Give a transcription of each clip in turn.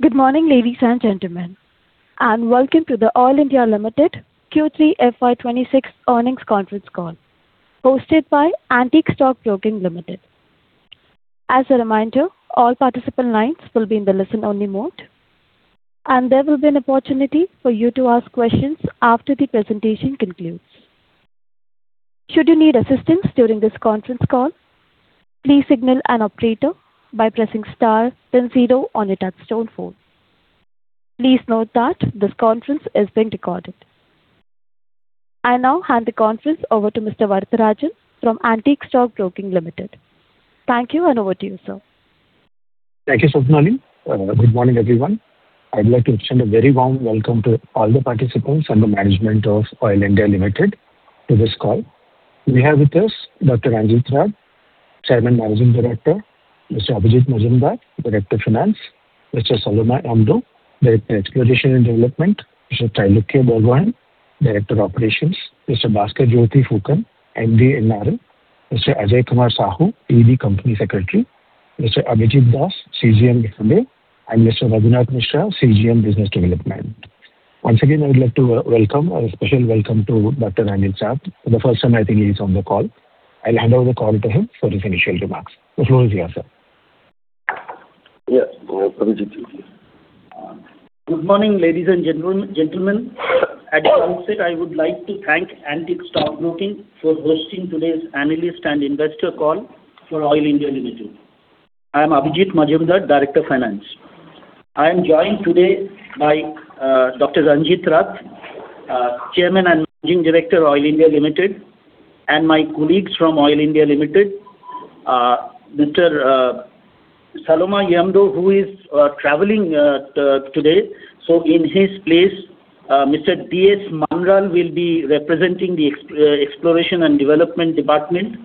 Good morning, ladies and gentlemen, and welcome to the Oil India Limited Q3 FY 2026 earnings conference call, hosted by Antique Stock Broking Limited. As a reminder, all participant lines will be in the listen only mode, and there will be an opportunity for you to ask questions after the presentation concludes. Should you need assistance during this conference call, please signal an operator by pressing star then zero on your touchtone phone. Please note that this conference is being recorded. I now hand the conference over to Mr. Varatharajan from Antique Stock Broking Limited. Thank you, and over to you, sir. Thank you, Swapnali. Good morning, everyone. I'd like to extend a very warm welcome to all the participants and the management of Oil India Limited to this call. We have with us Dr. Ranjit Rath, Chairman and Managing Director, Mr. Abhijit Majumder, Director of Finance, Mr. Yombo Saloma, Director, Exploration and Development, Mr. Trailokya Borgohain, Director of Operations, Mr. Bhaskar Jyoti Phukan, MD, NRL, Mr. Ajay Kumar Sahu, ED, Company Secretary, Mr. Abhijit Das, CGM, F&A, and Mr. Raghunath Mishra, CGM, Business Development. Once again, I would like to welcome, a special welcome to Dr. Ranjit Rath. For the first time, I think he's on the call. I'll hand over the call to him for his initial remarks. The floor is yours, sir. Yes, Abhijit. Good morning, ladies and gentlemen, gentlemen. At the outset, I would like to thank Antique Stock Broking for hosting today's analyst and investor call for Oil India Limited. I am Abhijit Majumder, Director of Finance. I am joined today by Dr. Ranjit Rath, Chairman and Managing Director, Oil India Limited, and my colleagues from Oil India Limited, Mr. Yombo Saloma, who is traveling today. So in his place, Mr. D.S. Mangal will be representing the Exploration and Development department.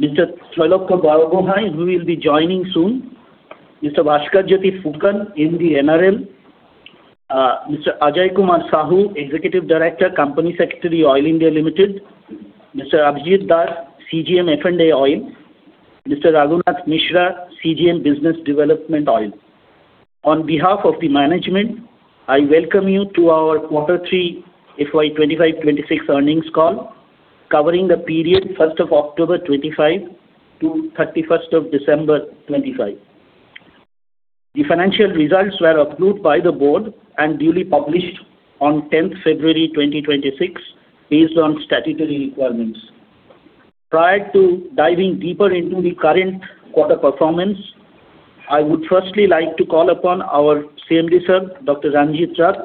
Mr. Trailokya Borgohain, who will be joining soon. Mr. Bhaskar Jyoti Phukan, MD, NRL. Mr. Ajay Kumar Sahu, Executive Director, Company Secretary, Oil India Limited. Mr. Abhijit Das, CGM, F&A, Oil. Mr. Raghunath Mishra, CGM, Business Development, Oil. On behalf of the management, I welcome you to our Quarter three FY 2025-2026 earnings call, covering the period first of October 2025 to December 31st, 2025. The financial results were approved by the board and duly published on February 10th, 2026, based on statutory requirements. Prior to diving deeper into the current quarter performance, I would firstly like to call upon our CMD, Sir, Dr. Ranjit Rath,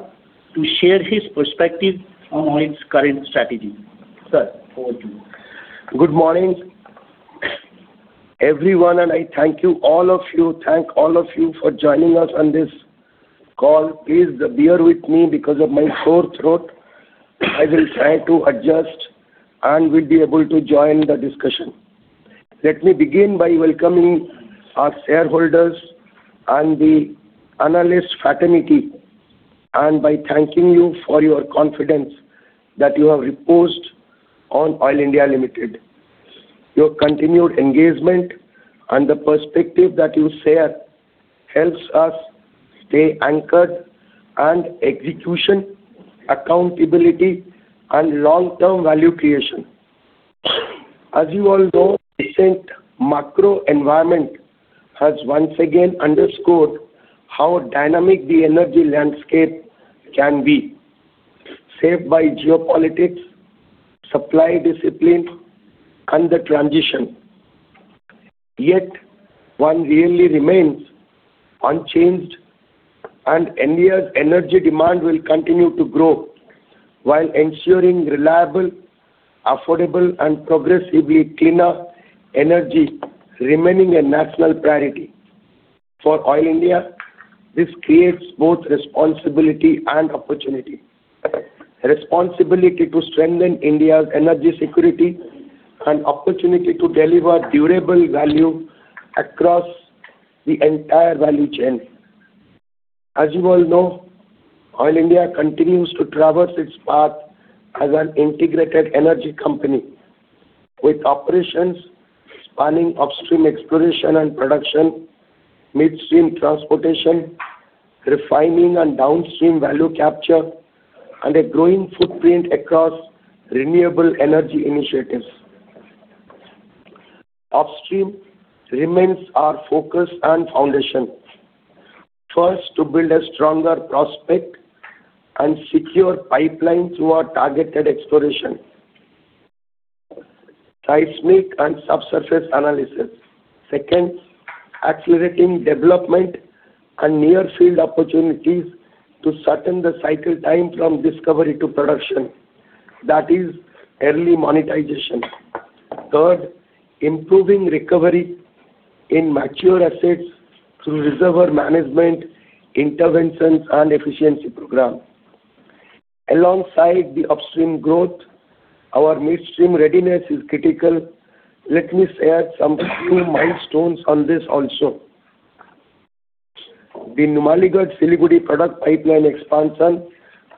to share his perspective on OIL's current strategy. Sir, over to you. Good morning, everyone, and I thank you, all of you for joining us on this call. Please, bear with me because of my sore throat. I will try to adjust and will be able to join the discussion. Let me begin by welcoming our shareholders and the analyst fraternity, and by thanking you for your confidence that you have reposed on Oil India Limited. Your continued engagement and the perspective that you share helps us stay anchored on execution, accountability, and long-term value creation. As you all know, recent macro environment has once again underscored how dynamic the energy landscape can be, shaped by geopolitics, supply discipline, and the transition. Yet, one really remains unchanged, and India's energy demand will continue to grow, while ensuring reliable, affordable, and progressively cleaner energy remaining a national priority. For Oil India, this creates both responsibility and opportunity. Responsibility to strengthen India's energy security and opportunity to deliver durable value across the entire value chain. As you all know, Oil India continues to traverse its path as an integrated energy company, with operations spanning upstream exploration and production, midstream transportation, refining and downstream value capture, and a growing footprint across renewable energy initiatives. Upstream remains our focus and foundation. First, to build a stronger prospect and secure pipeline through our targeted exploration, seismic and subsurface analysis. Second, accelerating development and near field opportunities to shorten the cycle time from discovery to production, that is early monetization. Third, improving recovery in mature assets through reservoir management, interventions, and efficiency program. Alongside the upstream growth, our midstream readiness is critical. Let me share some few milestones on this also. The Numaligarh Siliguri product pipeline expansion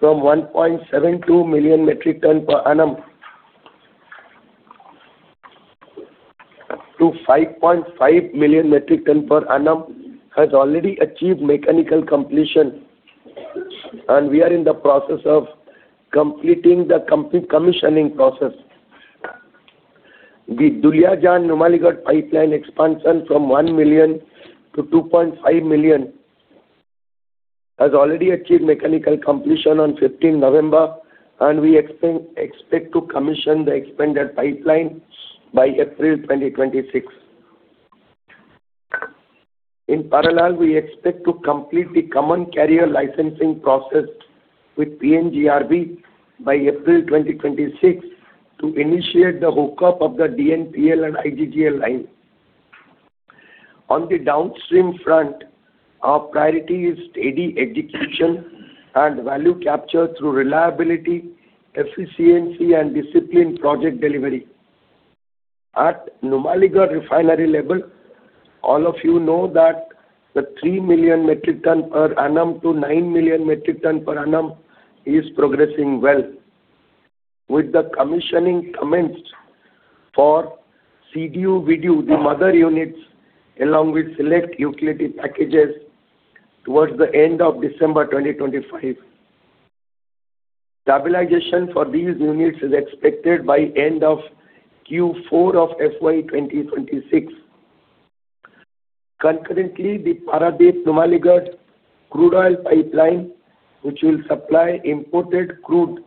from 1.72 million metric tonnes per annum-... to 5.5 million metric tons per annum, has already achieved mechanical completion, and we are in the process of completing the complete commissioning process. The Duliajan-Numaligarh pipeline expansion from 1 million to 2.5 million, has already achieved mechanical completion on November 15th, and we expect to commission the expanded pipeline by April 2026. In parallel, we expect to complete the common carrier licensing process with PNGRB by April 2026, to initiate the hookup of the DNPL and IGGL line. On the downstream front, our priority is steady execution and value capture through reliability, efficiency, and disciplined project delivery. At Numaligarh Refinery level, all of you know that the 3 million metric ton per annum to 9 million metric ton per annum is progressing well, with the commissioning commenced for CDU/VDU, the mother units, along with select utility packages towards the end of December 2025. Stabilization for these units is expected by end of Q4 of FY 2026. Concurrently, the Paradip-Numaligarh Crude Oil Pipeline, which will supply imported crude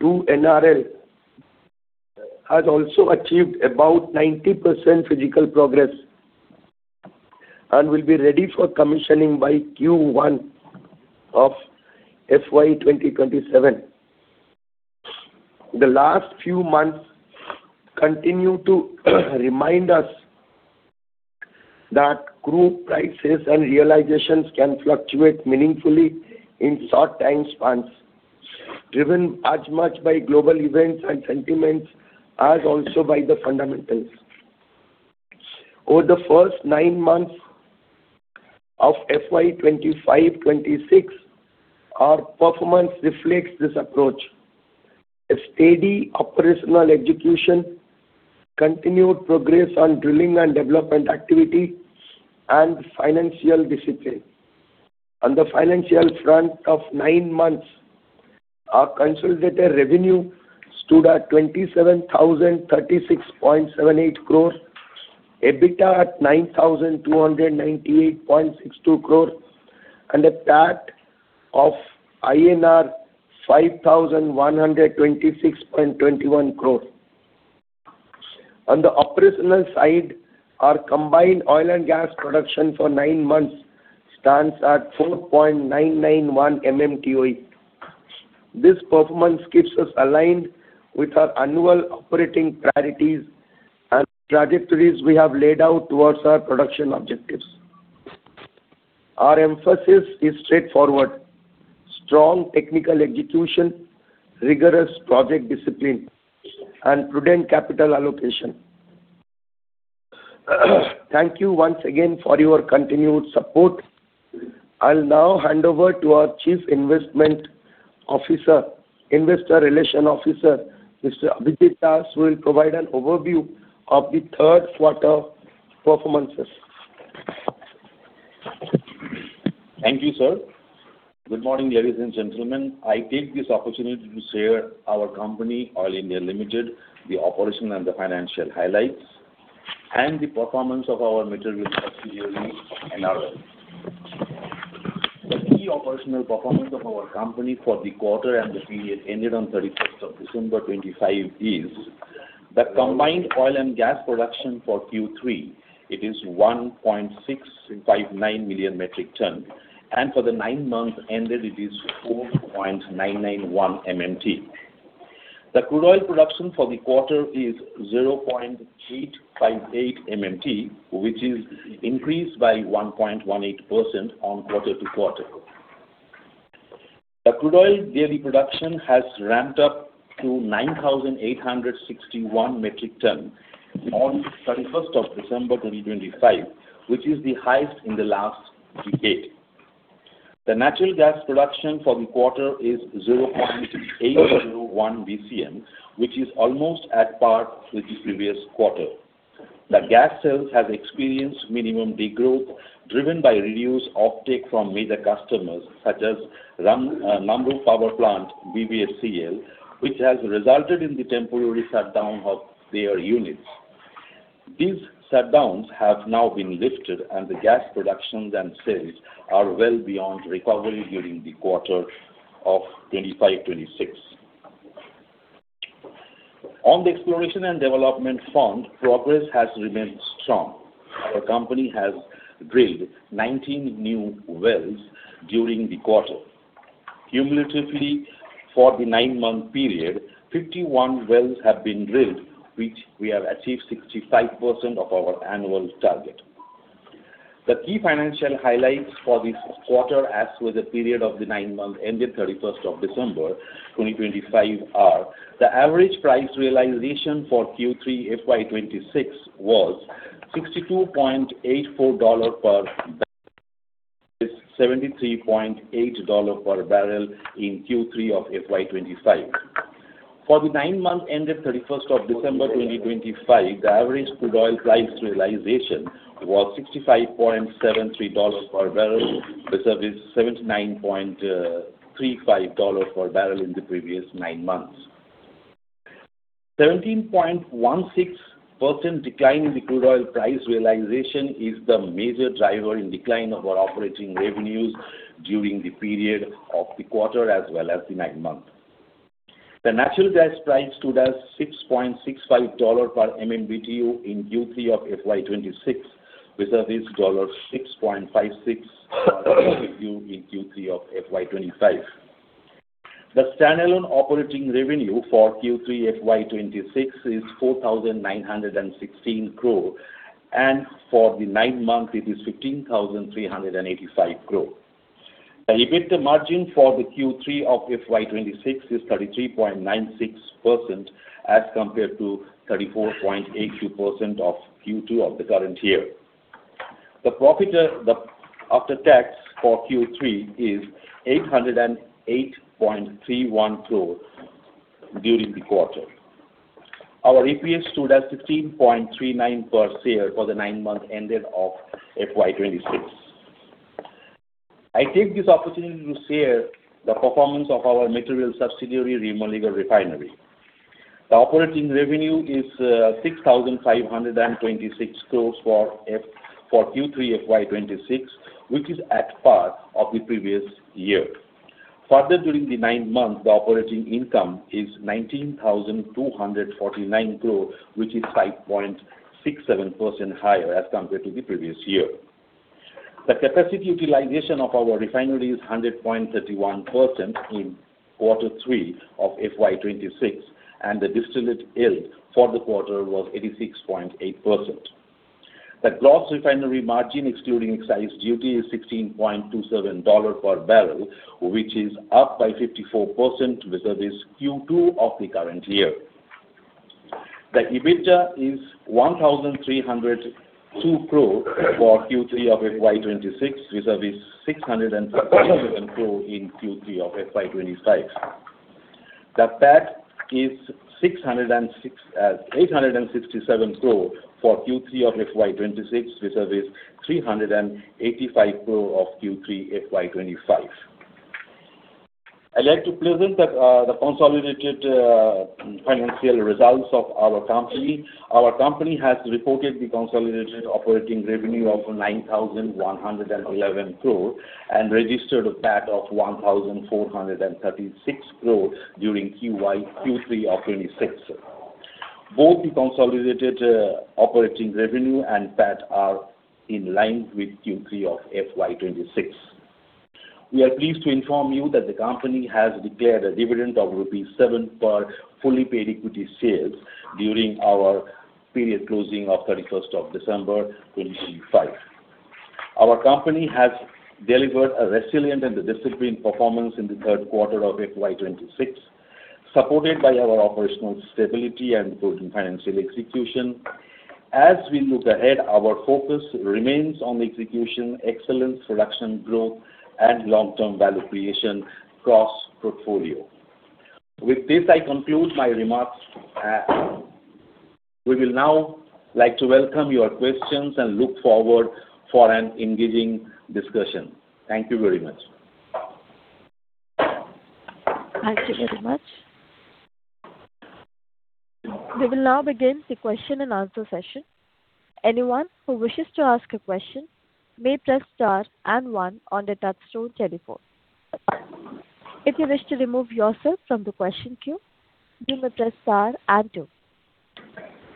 to NRL, has also achieved about 90% physical progress, and will be ready for commissioning by Q1 of FY 2027. The last few months continue to remind us that crude prices and realizations can fluctuate meaningfully in short time spans, driven as much by global events and sentiments, as also by the fundamentals. Over the first nine months of FY 2025-2026, our performance reflects this approach: a steady operational execution, continued progress on drilling and development activity, and financial discipline. On the financial front of nine months, our consolidated revenue stood at 27,036.78 crores, EBITDA at 9,298.62 crores, and a PAT of INR 5,126.21 crore. On the operational side, our combined oil and gas production for nine months stands at 4.991 MMTOE. This performance keeps us aligned with our annual operating priorities and trajectories we have laid out towards our production objectives. Our emphasis is straightforward, strong technical execution, rigorous project discipline, and prudent capital allocation. Thank you once again for your continued support. I'll now hand over to our Chief Investment Officer, Investor Relations Officer, Mr. Abhijit Das, who will provide an overview of the third quarter performances. Thank you, sir. Good morning, ladies and gentlemen. I take this opportunity to share our company, Oil India Limited, the operational and the financial highlights, and the performance of our material subsidiary, NRL. The key operational performance of our company for the quarter and the period ended on thirty-first of December 2025 is, the combined oil and gas production for Q3, it is 1.659 million metric ton, and for the nine months ended, it is 4.991 MMT. The crude oil production for the quarter is 0.858 MMT, which is increased by 1.18% on quarter-over-quarter. The crude oil daily production has ramped up to 9,861 metric ton on thirty-first of December 2025, which is the highest in the last decade. The natural gas production for the quarter is 0.801 BCM, which is almost at par with the previous quarter. The gas sales has experienced minimum degrowth, driven by reduced offtake from major customers, such as Ram, Namrup Power Plant, BVFCL, which has resulted in the temporary shutdown of their units. These shutdowns have now been lifted, and the gas production and sales are well beyond recovery during the quarter of 2025-2026. On the exploration and development front, progress has remained strong. Our company has drilled 19 new wells during the quarter. Cumulatively, for the nine-month period, 51 wells have been drilled, which we have achieved 65% of our annual target. The key financial highlights for this quarter, as with the period of the nine months ended thirty-first of December 2025, are: the average price realization for Q3 FY 2026 was $62.84/bbl.... is $73.8/bbl in Q3 of FY 2025. For the nine months ended thirty-first of December 2025, the average crude oil price realization was $65.73/bbl, versus $79.35/bbl in the previous nine months. 17.16% decline in the crude oil price realization is the major driver in decline of our operating revenues during the period of the quarter as well as the nine months. The natural gas price stood at $6.65 per MMBtu in Q3 of FY 2026, versus $6.56 per MMBtu in Q3 of FY 2025. The standalone operating revenue for Q3 FY 2026 is 4,916 crore, and for the nine months, it is 15,385 crore. The EBITDA margin for the Q3 of FY 2026 is 33.96%, as compared to 34.82% of Q2 of the current year. The profit after tax for Q3 is 808.31 crore during the quarter. Our EPS stood at 16.39 per share for the nine months ended of FY 2026. I take this opportunity to share the performance of our material subsidiary, Numaligarh Refinery. The operating revenue is 6,526 crores for Q3 FY 2026, which is at par of the previous year. Further, during the nine months, the operating income is 19,249 crore, which is 5.67% higher as compared to the previous year. The capacity utilization of our refinery is 100.31% in quarter three of FY 2026, and the distillate yield for the quarter was 86.8%. The gross refinery margin, excluding excise duty, is $16.27/bbl, which is up by 54% versus Q2 of the current year. The EBITDA is 1,302 crore for Q3 of FY 2026, versus 611 crore in Q3 of FY 2025. The PAT is 867 crore for Q3 of FY 2026, versus 385 crore of Q3 FY 2025. I'd like to present the consolidated financial results of our company. Our company has reported the consolidated operating revenue of 9,111 crore, and registered a PAT of 1,436 crore during Q3 of FY 2026. Both the consolidated operating revenue and PAT are in line with Q3 of FY 2026. We are pleased to inform you that the company has declared a dividend of rupees 7 per fully paid equity shares during our period closing of December 31st, 2025. Our company has delivered a resilient and a disciplined performance in the third quarter of FY 2026, supported by our operational stability and strong financial execution. As we look ahead, our focus remains on execution, excellence, production growth, and long-term value creation across portfolio. With this, I conclude my remarks. We will now like to welcome your questions and look forward for an engaging discussion. Thank you very much. Thank you very much. We will now begin the question and answer session. Anyone who wishes to ask a question may press star and one on their touchtone telephone. If you wish to remove yourself from the question queue, you may press star and two.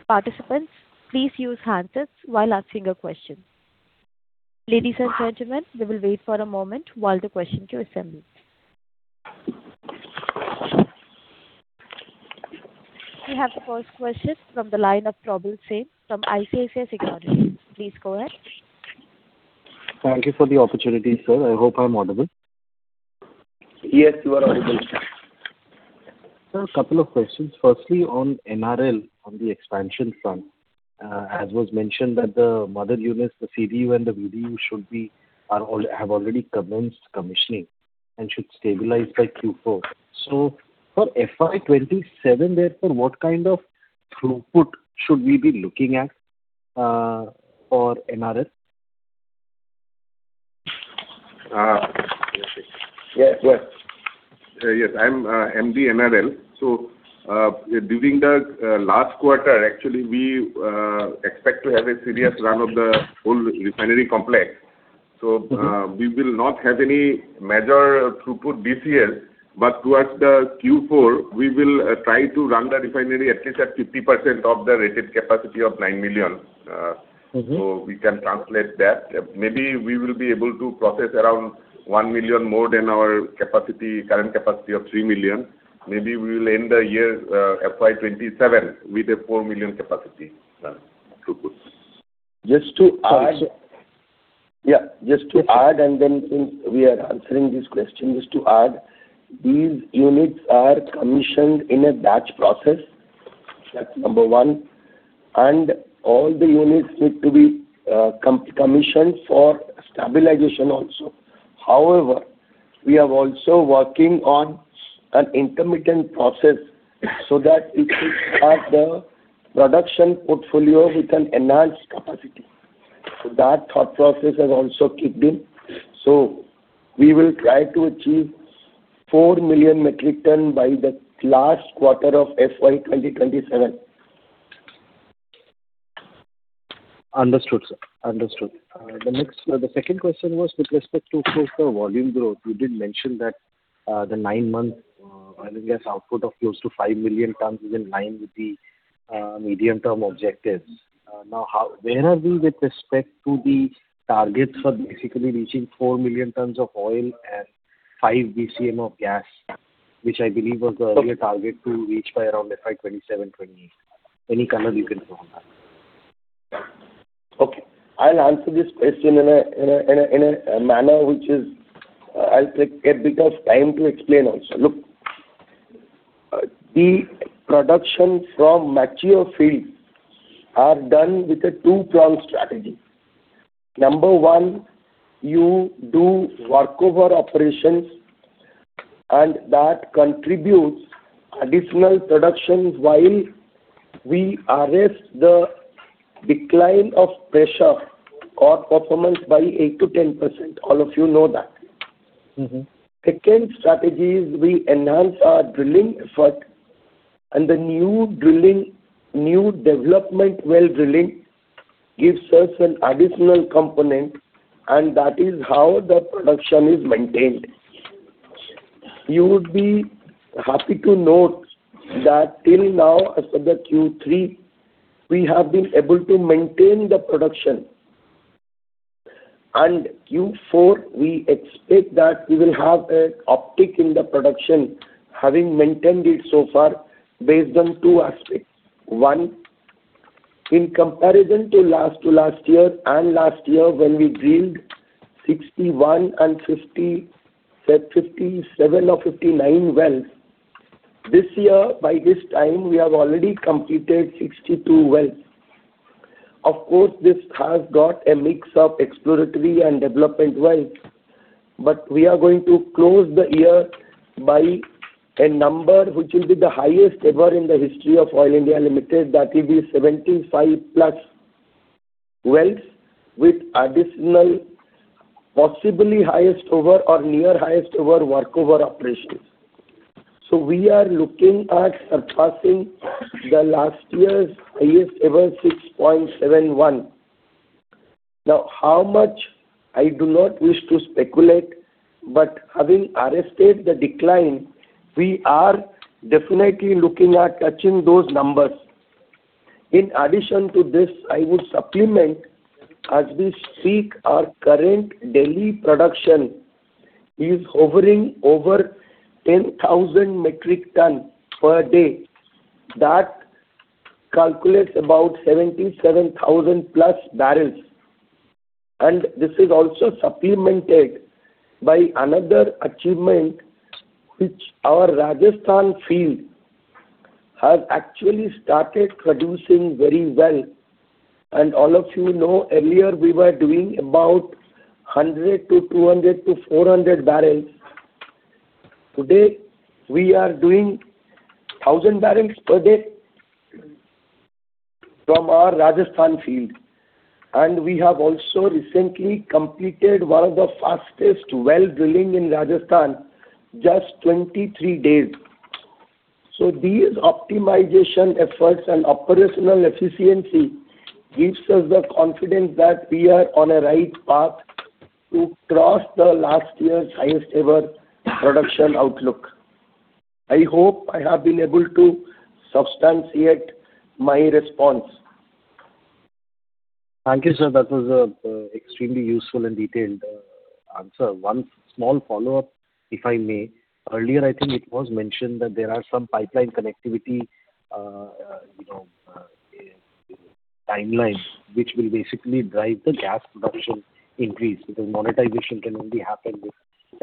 Participants, please use handsets while asking a question. Ladies and gentlemen, we will wait for a moment while the question queue assembles. We have the first question from the line of Probal Sen from ICICI Securities. Please go ahead. Thank you for the opportunity, sir. I hope I'm audible. Yes, you are audible. Sir, a couple of questions. Firstly, on NRL, on the expansion front, as was mentioned that the mother units, the CDU and the VDU, should be... have already commenced commissioning and should stabilize by Q4. So for FY 2027, therefore, what kind of throughput should we be looking at for NRL? Yes, yes. Yes, I'm MD, NRL. So, during the last quarter, actually, we expect to have a serious run of the whole refinery complex. Mm-hmm. So, we will not have any major throughput this year, but towards the Q4, we will try to run the refinery at least at 50% of the rated capacity of 9 million. Mm-hmm. So we can translate that. Maybe we will be able to process around 1 million more than our capacity, current capacity of 3 million. Maybe we will end the year, FY 2027, with a 4 million capacity, throughput. Just to add. Yeah, just to add, and then since we are answering this question. Just to add, these units are commissioned in a batch process.... That's number one, and all the units need to be commissioned for stabilization also. However, we are also working on an intermittent process so that it could have the production portfolio with an enhanced capacity. So that thought process has also kicked in. So we will try to achieve 4 million metric ton by the last quarter of FY 2027. Understood, sir. Understood. The second question was with respect to, of course, the volume growth. You did mention that, the nine-month Oil India's output of close to 5 million tons is in line with the medium-term objectives. Now, where are we with respect to the targets for basically reaching 4 million tons of oil and 5 BCM of gas, which I believe was the earlier target to reach by around FY 2027, 2028? Any color you can throw on that. Okay, I'll answer this question in a manner which is, I'll take a bit of time to explain also. Look, the production from mature fields are done with a two-pronged strategy. Number one, you do workover operations, and that contributes additional productions while we arrest the decline of pressure or performance by 8%-10%. All of you know that. Mm-hmm. Second strategy is we enhance our drilling effort, and the new drilling, new development well drilling, gives us an additional component, and that is how the production is maintained. You would be happy to note that till now, as of the Q3, we have been able to maintain the production. And Q4, we expect that we will have a uptick in the production, having maintained it so far, based on two aspects. One, in comparison to last to last year and last year, when we drilled 61 and say 57 or 59 wells, this year, by this time, we have already completed 62 wells. Of course, this has got a mix of exploratory and development wells, but we are going to close the year by a number which will be the highest ever in the history of Oil India Limited. That will be 75+ wells, with additional, possibly highest ever or near highest ever workover operations. So we are looking at surpassing the last year's highest ever, 6.71. Now, how much, I do not wish to speculate, but having arrested the decline, we are definitely looking at touching those numbers. In addition to this, I would supplement, as we speak, our current daily production is hovering over 10,000 metric ton per day. That calculates about 77,000+ bbl, and this is also supplemented by another achievement, which our Rajasthan field has actually started producing very well. And all of you know, earlier we were doing about 100-200-400 bbl. Today, we are doing 1,000 bbl/d from our Rajasthan field, and we have also recently completed one of the fastest well drilling in Rajasthan, just 23 days. These optimization efforts and operational efficiency gives us the confidence that we are on a right path to cross the last year's highest ever production outlook. I hope I have been able to substantiate my response. Thank you, sir. That was a extremely useful and detailed answer. One small follow-up, if I may. Earlier, I think it was mentioned that there are some pipeline connectivity, you know, timelines, which will basically drive the gas production increase, because monetization can only happen with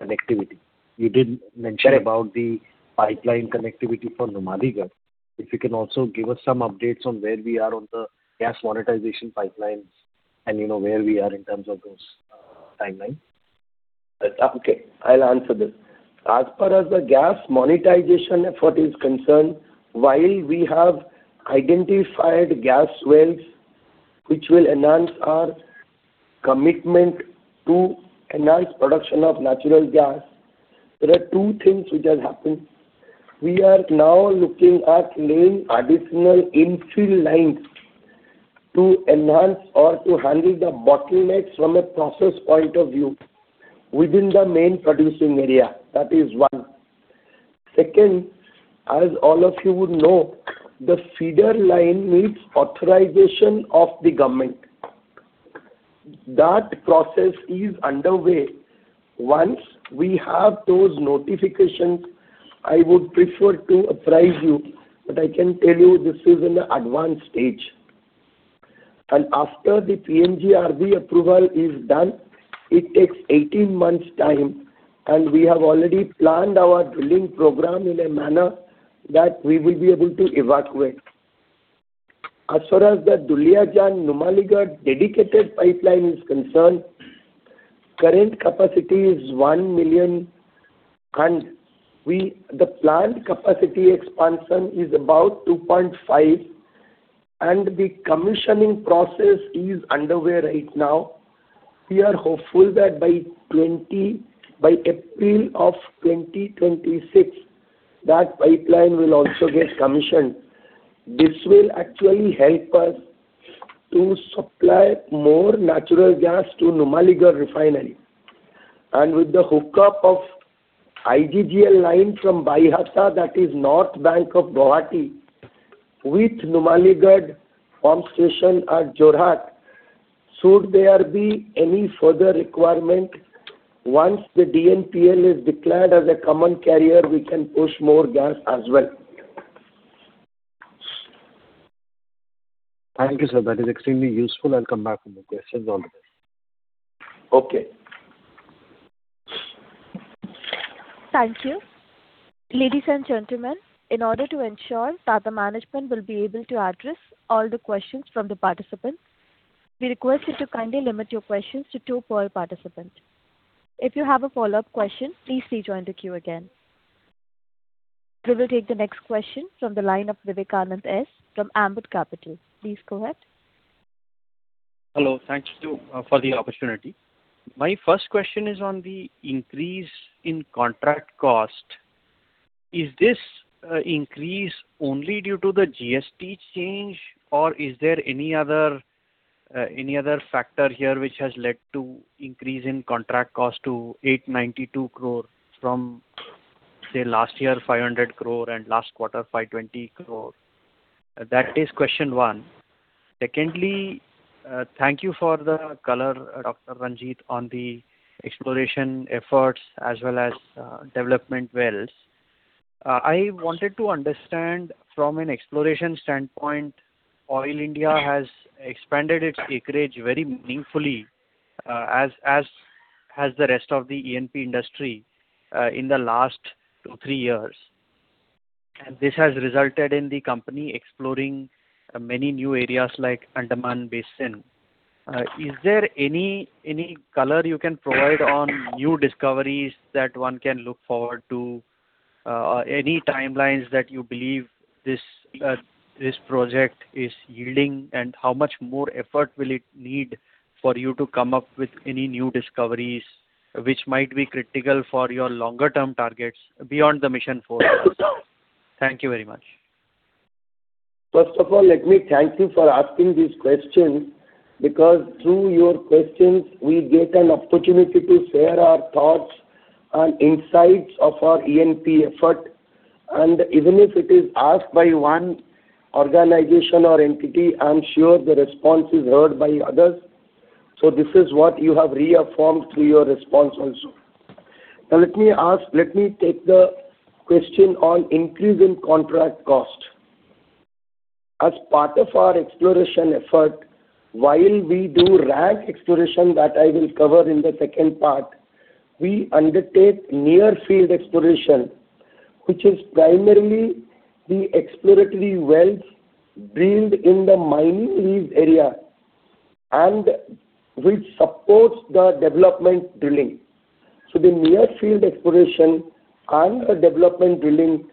connectivity. You did mention- Sure. about the pipeline connectivity for Numaligarh. If you can also give us some updates on where we are on the gas monetization pipelines and, you know, where we are in terms of those, timelines. Okay, I'll answer this. As far as the gas monetization effort is concerned, while we have identified gas wells, which will enhance our commitment to enhance production of natural gas, there are two things which has happened. We are now looking at laying additional infill lines to enhance or to handle the bottlenecks from a process point of view within the main producing area. That is one. Second, as all of you would know, the feeder line needs authorization of the government. That process is underway. Once we have those notifications, I would prefer to apprise you, but I can tell you this is in an advanced stage. And after the PNGRB approval is done, it takes 18 months time, and we have already planned our drilling program in a manner that we will be able to evacuate. As far as the Duliajan-Numaligarh dedicated pipeline is concerned, current capacity is 1 million, and we, the planned capacity expansion is about 2.5, and the commissioning process is underway right now. We are hopeful that by April of 2026, that pipeline will also get commissioned. This will actually help us to supply more natural gas to Numaligarh Refinery. With the hookup of IGGL line from Baihata, that is north bank of Guwahati, with Numaligarh pump station at Jorhat, should there be any further requirement, once the DNPL is declared as a common carrier, we can push more gas as well. Thank you, sir. That is extremely useful. I'll come back with more questions on this. Okay. Thank you. Ladies and gentlemen, in order to ensure that the management will be able to address all the questions from the participants, we request you to kindly limit your questions to two per participant. If you have a follow-up question, please rejoin the queue again. We will take the next question from the line of Vivekanand S. from Ambit Capital. Please go ahead. Hello. Thank you for the opportunity. My first question is on the increase in contract cost. Is this increase only due to the GST change, or is there any other factor here which has led to increase in contract cost to 892 crore from, say, last year 500 crore, and last quarter 520 crore? That is question one. Secondly, thank you for the color, Dr. Ranjit, on the exploration efforts as well as development wells. I wanted to understand from an exploration standpoint, Oil India has expanded its acreage very meaningfully, as has the rest of the E&P industry, in the last two-three years. And this has resulted in the company exploring many new areas like Andaman Basin. Is there any color you can provide on new discoveries that one can look forward to? Any timelines that you believe this project is yielding, and how much more effort will it need for you to come up with any new discoveries which might be critical for your longer-term targets beyond the Mission Four? Thank you very much. First of all, let me thank you for asking this question, because through your questions, we get an opportunity to share our thoughts and insights of our E&P effort. Even if it is asked by one organization or entity, I'm sure the response is heard by others. So this is what you have reaffirmed through your response also. Now, let me take the question on increase in contract cost. As part of our exploration effort, while we do rank exploration that I will cover in the second part, we undertake near-field exploration, which is primarily the exploratory wells drilled in the mining lease area and which supports the development drilling. So the near field exploration and the development drilling,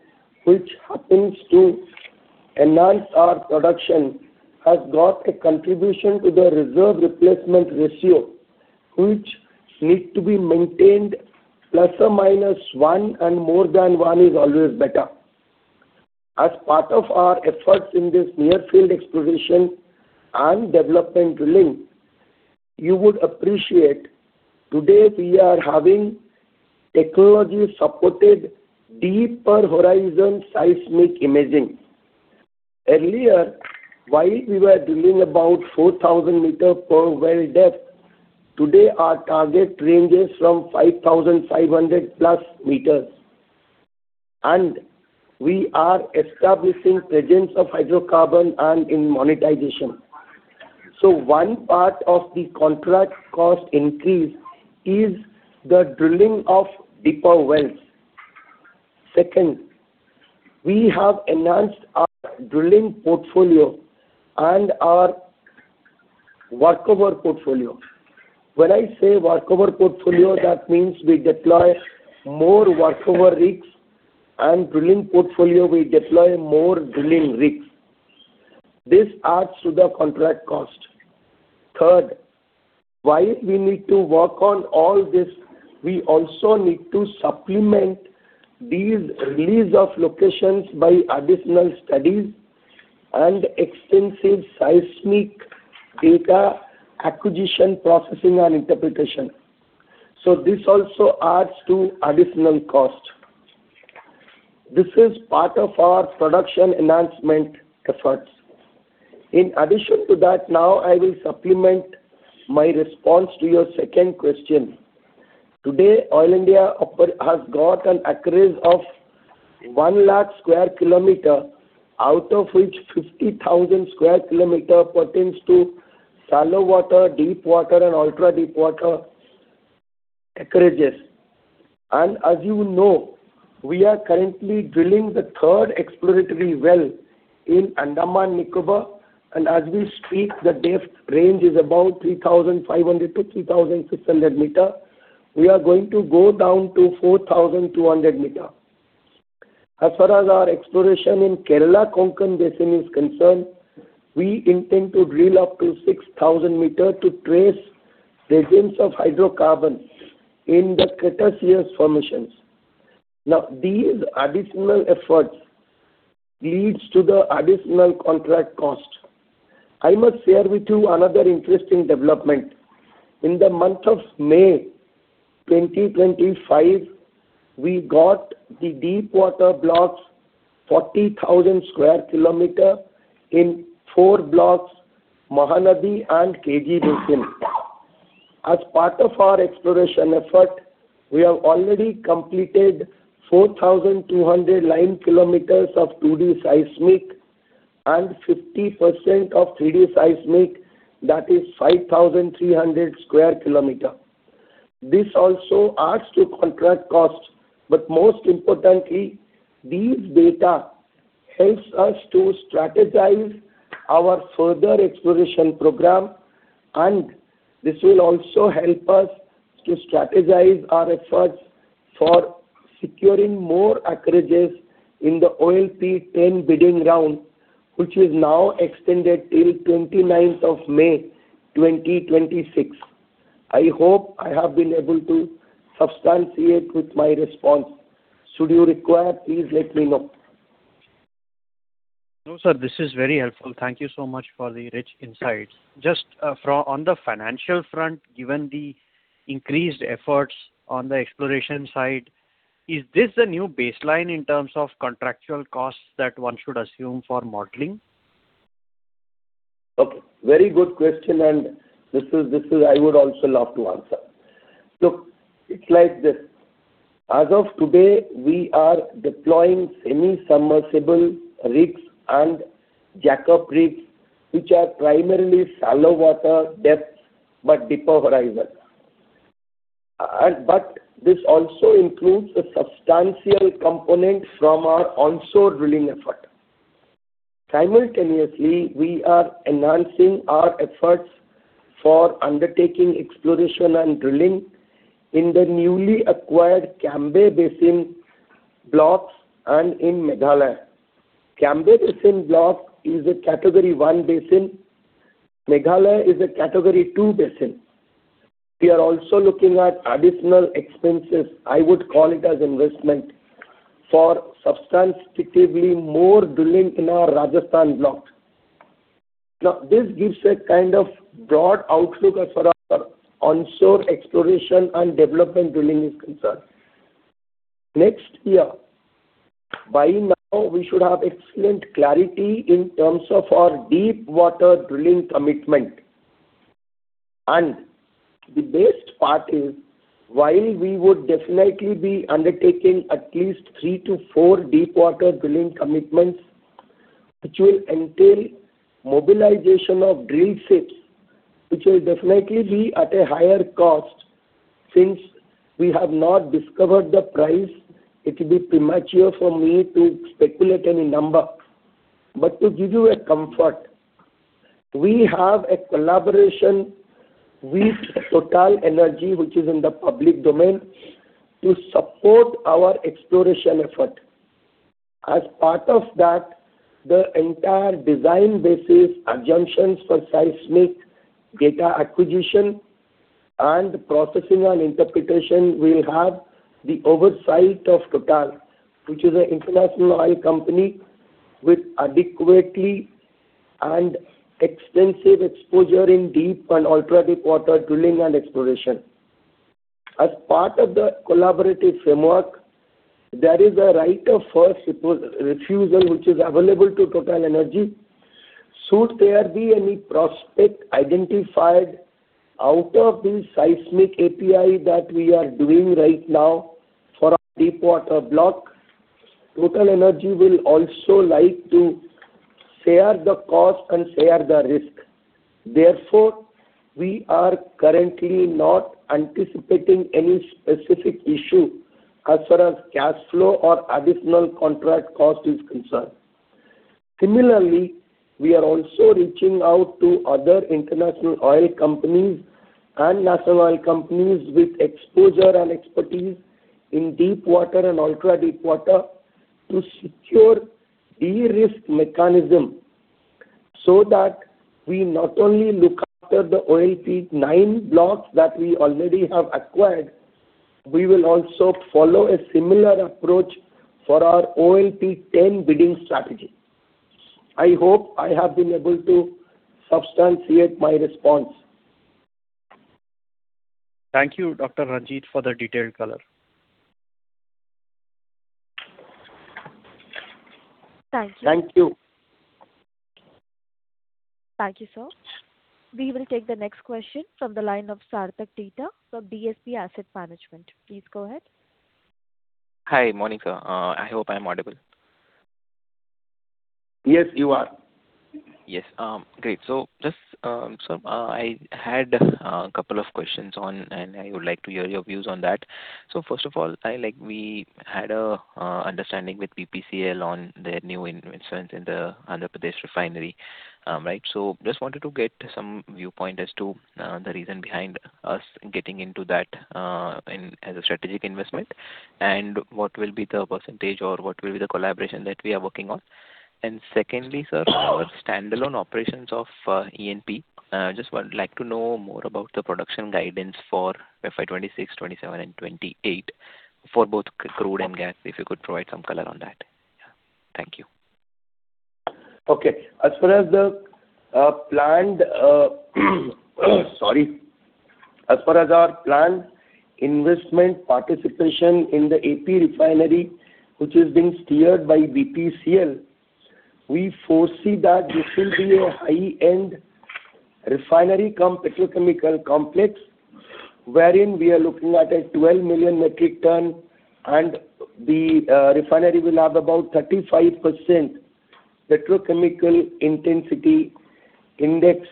which happens to enhance our production, has got a contribution to the reserve replacement ratio, which needs to be maintained ±1, and more than one is always better. As part of our efforts in this near field exploration and development drilling, you would appreciate, today, we are having technology-supported, deeper horizon, seismic imaging. Earlier, while we were drilling about 4,000 m/well depth, today, our target ranges from 5,500+ m, and we are establishing presence of hydrocarbon and in monetization. So one part of the contract cost increase is the drilling of deeper wells. Second, we have enhanced our drilling portfolio and our workover portfolio. When I say workover portfolio, that means we deploy more workover rigs, and drilling portfolio, we deploy more drilling rigs. This adds to the contract cost. Third, while we need to work on all this, we also need to supplement these release of locations by additional studies and extensive seismic data acquisition, processing, and interpretation. So this also adds to additional cost. This is part of our production enhancement efforts. In addition to that, now I will supplement my response to your second question. Today, Oil India has got an acreage of 100,000 sq km, out of which 50,000 sq km pertains to shallow water, deep water, and ultra deep water acreages. And as you know, we are currently drilling the third exploratory well in Andaman and Nicobar, and as we speak, the depth range is about 3,500 m-3,600 m. We are going to go down to 4,200 m. As far as our exploration in Kerala-Konkan Basin is concerned, we intend to drill up to 6,000 m to trace presence of hydrocarbon in the Cretaceous formations. Now, these additional efforts leads to the additional contract cost. I must share with you another interesting development. In the month of May 2025, we got the deepwater blocks, 40,000 sq km in four blocks, Mahanadi Basin and KG Basin. As part of our exploration effort, we have already completed 4,200 line mof 2D seismic and 50% of 3D seismic, that is 5,300 sq km. This also adds to contract costs, but most importantly, these data helps us to strategize our further exploration program, and this will also help us to strategize our efforts for securing more acreages in the OALP 10 bidding round, which is now extended till the May 29th,2026. I hope I have been able to substantiate with my response. Should you require, please let me know. No, sir, this is very helpful. Thank you so much for the rich insights. Just, on the financial front, given the increased efforts on the exploration side, is this the new baseline in terms of contractual costs that one should assume for modeling? Okay. Very good question, and this is, this is. I would also love to answer. Look, it's like this: as of today, we are deploying semi-submersible rigs and jackup rigs, which are primarily shallow water depths but deeper horizon. And but this also includes a substantial component from our onshore drilling effort. Simultaneously, we are enhancing our efforts for undertaking exploration and drilling in the newly acquired Cambay Basin blocks and in Meghalaya. Cambay Basin block is a Category one basin. Meghalaya is a Category two basin. We are also looking at additional expenses, I would call it as investment, for substantively more drilling in our Rajasthan block. Now, this gives a kind of broad outlook as far as our onshore exploration and development drilling is concerned. Next year, by now, we should have excellent clarity in terms of our deepwater drilling commitment. And the best part is, while we would definitely be undertaking at least three-four deepwater drilling commitments, which will entail mobilization of drill ships, which will definitely be at a higher cost, since we have not discovered the price, it would be premature for me to speculate any number. But to give you a comfort, we have a collaboration with TotalEnergies, which is in the public domain, to support our exploration effort. As part of that, the entire design basis, assumptions for seismic data acquisition and processing and interpretation will have the oversight of Total, which is a international oil company with adequately and extensive exposure in deep and ultra deepwater drilling and exploration. As part of the collaborative framework, there is a right of first refusal, which is available to TotalEnergies. Should there be any prospect identified out of this seismic API that we are doing right now for our deepwater block, TotalEnergies will also like to share the cost and share the risk. Therefore, we are currently not anticipating any specific issue as far as cash flow or additional contract cost is concerned. Similarly, we are also reaching out to other international oil companies and national oil companies with exposure and expertise in deepwater and ultra-deepwater to secure de-risk mechanism, so that we not only look after the OALP nine blocks that we already have acquired, we will also follow a similar approach for our OALP ten bidding strategy. I hope I have been able to substantiate my response. Thank you, Dr. Ranjit, for the detailed color.... Thank you. Thank you. Thank you, sir. We will take the next question from the line of Sarthak Tita from DSP Asset Management. Please go ahead. Hi, morning, sir. I hope I'm audible. Yes, you are. Yes. Great. So just, sir, I had a couple of questions on, and I would like to hear your views on that. So first of all, I like—we had a understanding with BPCL on their new investment in the Andhra Pradesh refinery, right? So just wanted to get some viewpoint as to the reason behind us getting into that in as a strategic investment, and what will be the percentage or what will be the collaboration that we are working on. And secondly, sir, our standalone operations of ENP. Just would like to know more about the production guidance for FY 2026, 2027 and 2028 for both crude and gas, if you could provide some color on that. Yeah. Thank you. Okay. As far as our planned investment participation in the AP refinery, which is being steered by BPCL, we foresee that this will be a high-end refinery cum petrochemical complex, wherein we are looking at a 12 million metric ton, and the refinery will have about 35% petrochemical intensity index.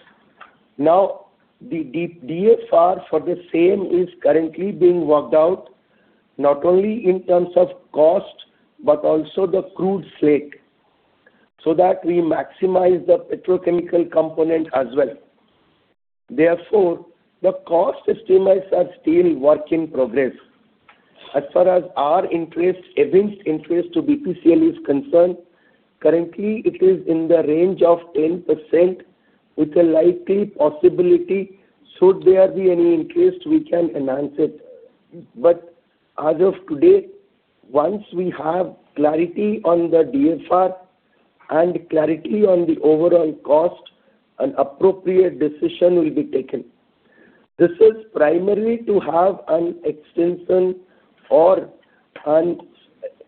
Now, the D-DFR for the same is currently being worked out, not only in terms of cost, but also the crude slate, so that we maximize the petrochemical component as well. Therefore, the cost estimates are still work in progress. As far as our interest, evinced interest to BPCL is concerned, currently it is in the range of 10%, with a likely possibility should there be any interest, we can enhance it. But as of today, once we have clarity on the DFR and clarity on the overall cost, an appropriate decision will be taken. This is primarily to have an extension or an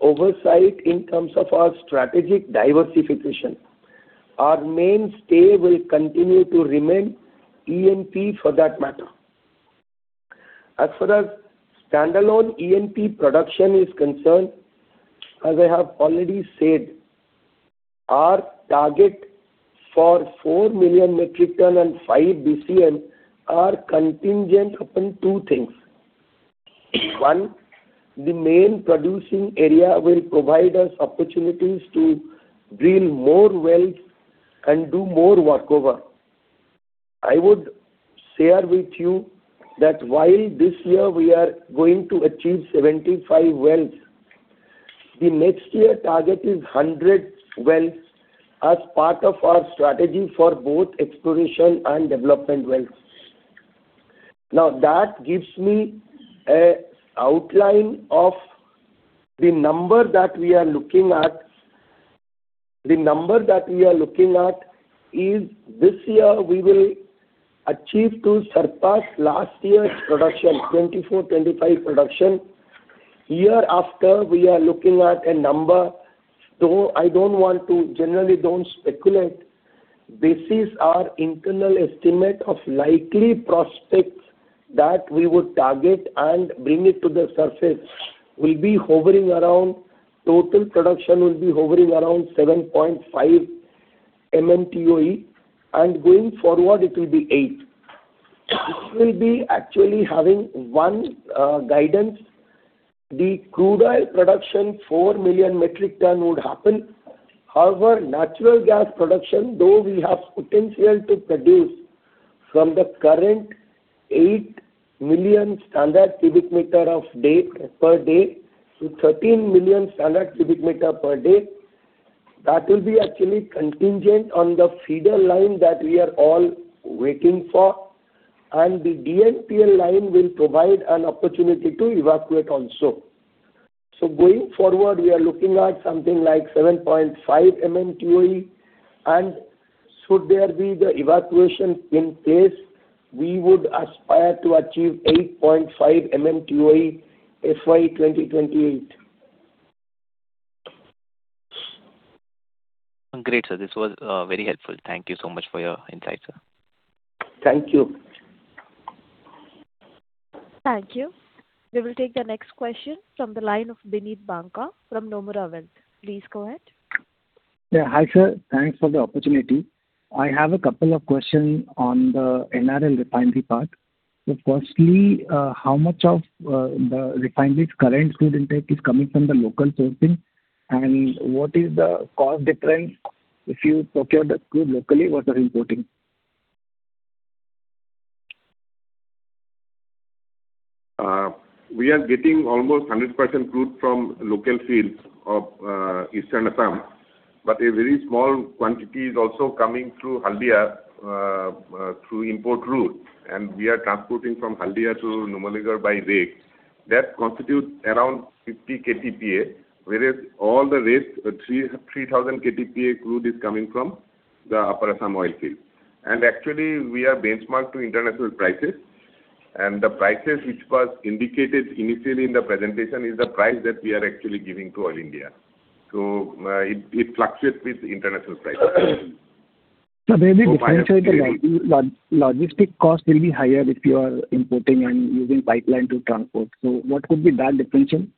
oversight in terms of our strategic diversification. Our mainstay will continue to remain E&P, for that matter. As far as standalone E&P production is concerned, as I have already said, our target for 4 million metric ton and 5 BCM are contingent upon two things. One, the main producing area will provide us opportunities to drill more wells and do more workover. I would share with you that while this year we are going to achieve 75 wells, the next year target is 100 wells as part of our strategy for both exploration and development wells. Now, that gives me an outline of the number that we are looking at. The number that we are looking at is, this year we will achieve to surpass last year's production, 2024, 2025 production. Year after, we are looking at a number, though I don't want to, generally don't speculate, this is our internal estimate of likely prospects that we would target and bring it to the surface, will be hovering around. Total production will be hovering around 7.5 MMTOE, and going forward, it will be eight. We will be actually having one, guidance. The crude oil production, 4 million metric tonnes would happen. However, natural gas production, though we have potential to produce from the current 8 million standard cubic meters per day, to 13 million standard cubic meters per day, that will be actually contingent on the feeder line that we are all waiting for, and the DNPL line will provide an opportunity to evacuate also. Going forward, we are looking at something like 7.5 MMTOE. Should there be the evacuation in place, we would aspire to achieve 8.5 MMTOE FY 2028. Great, sir. This was very helpful. Thank you so much for your insight, sir. Thank you. Thank you. We will take the next question from the line of Bineet Banka from Nomura Wealth. Please go ahead. Yeah. Hi, sir. Thanks for the opportunity. I have a couple of questions on the NRL refinery part. So firstly, how much of the refinery's current crude intake is coming from the local sourcing? And what is the cost difference if you procure the crude locally versus importing? We are getting almost 100% crude from local fields of eastern Assam, but a very small quantity is also coming through Haldia through import route, and we are transporting from Haldia to Numaligarh by rail. That constitutes around 50 KTPA, whereas all the rest, 3,000 KTPA crude is coming from the upper Assam oil field. And actually, we are benchmarked to international prices, and the prices which was indicated initially in the presentation is the price that we are actually giving to all India. So, it fluctuates with international prices. So there will be differentiate, the logistics cost will be higher if you are importing and using pipeline to transport. So what could be that depletion?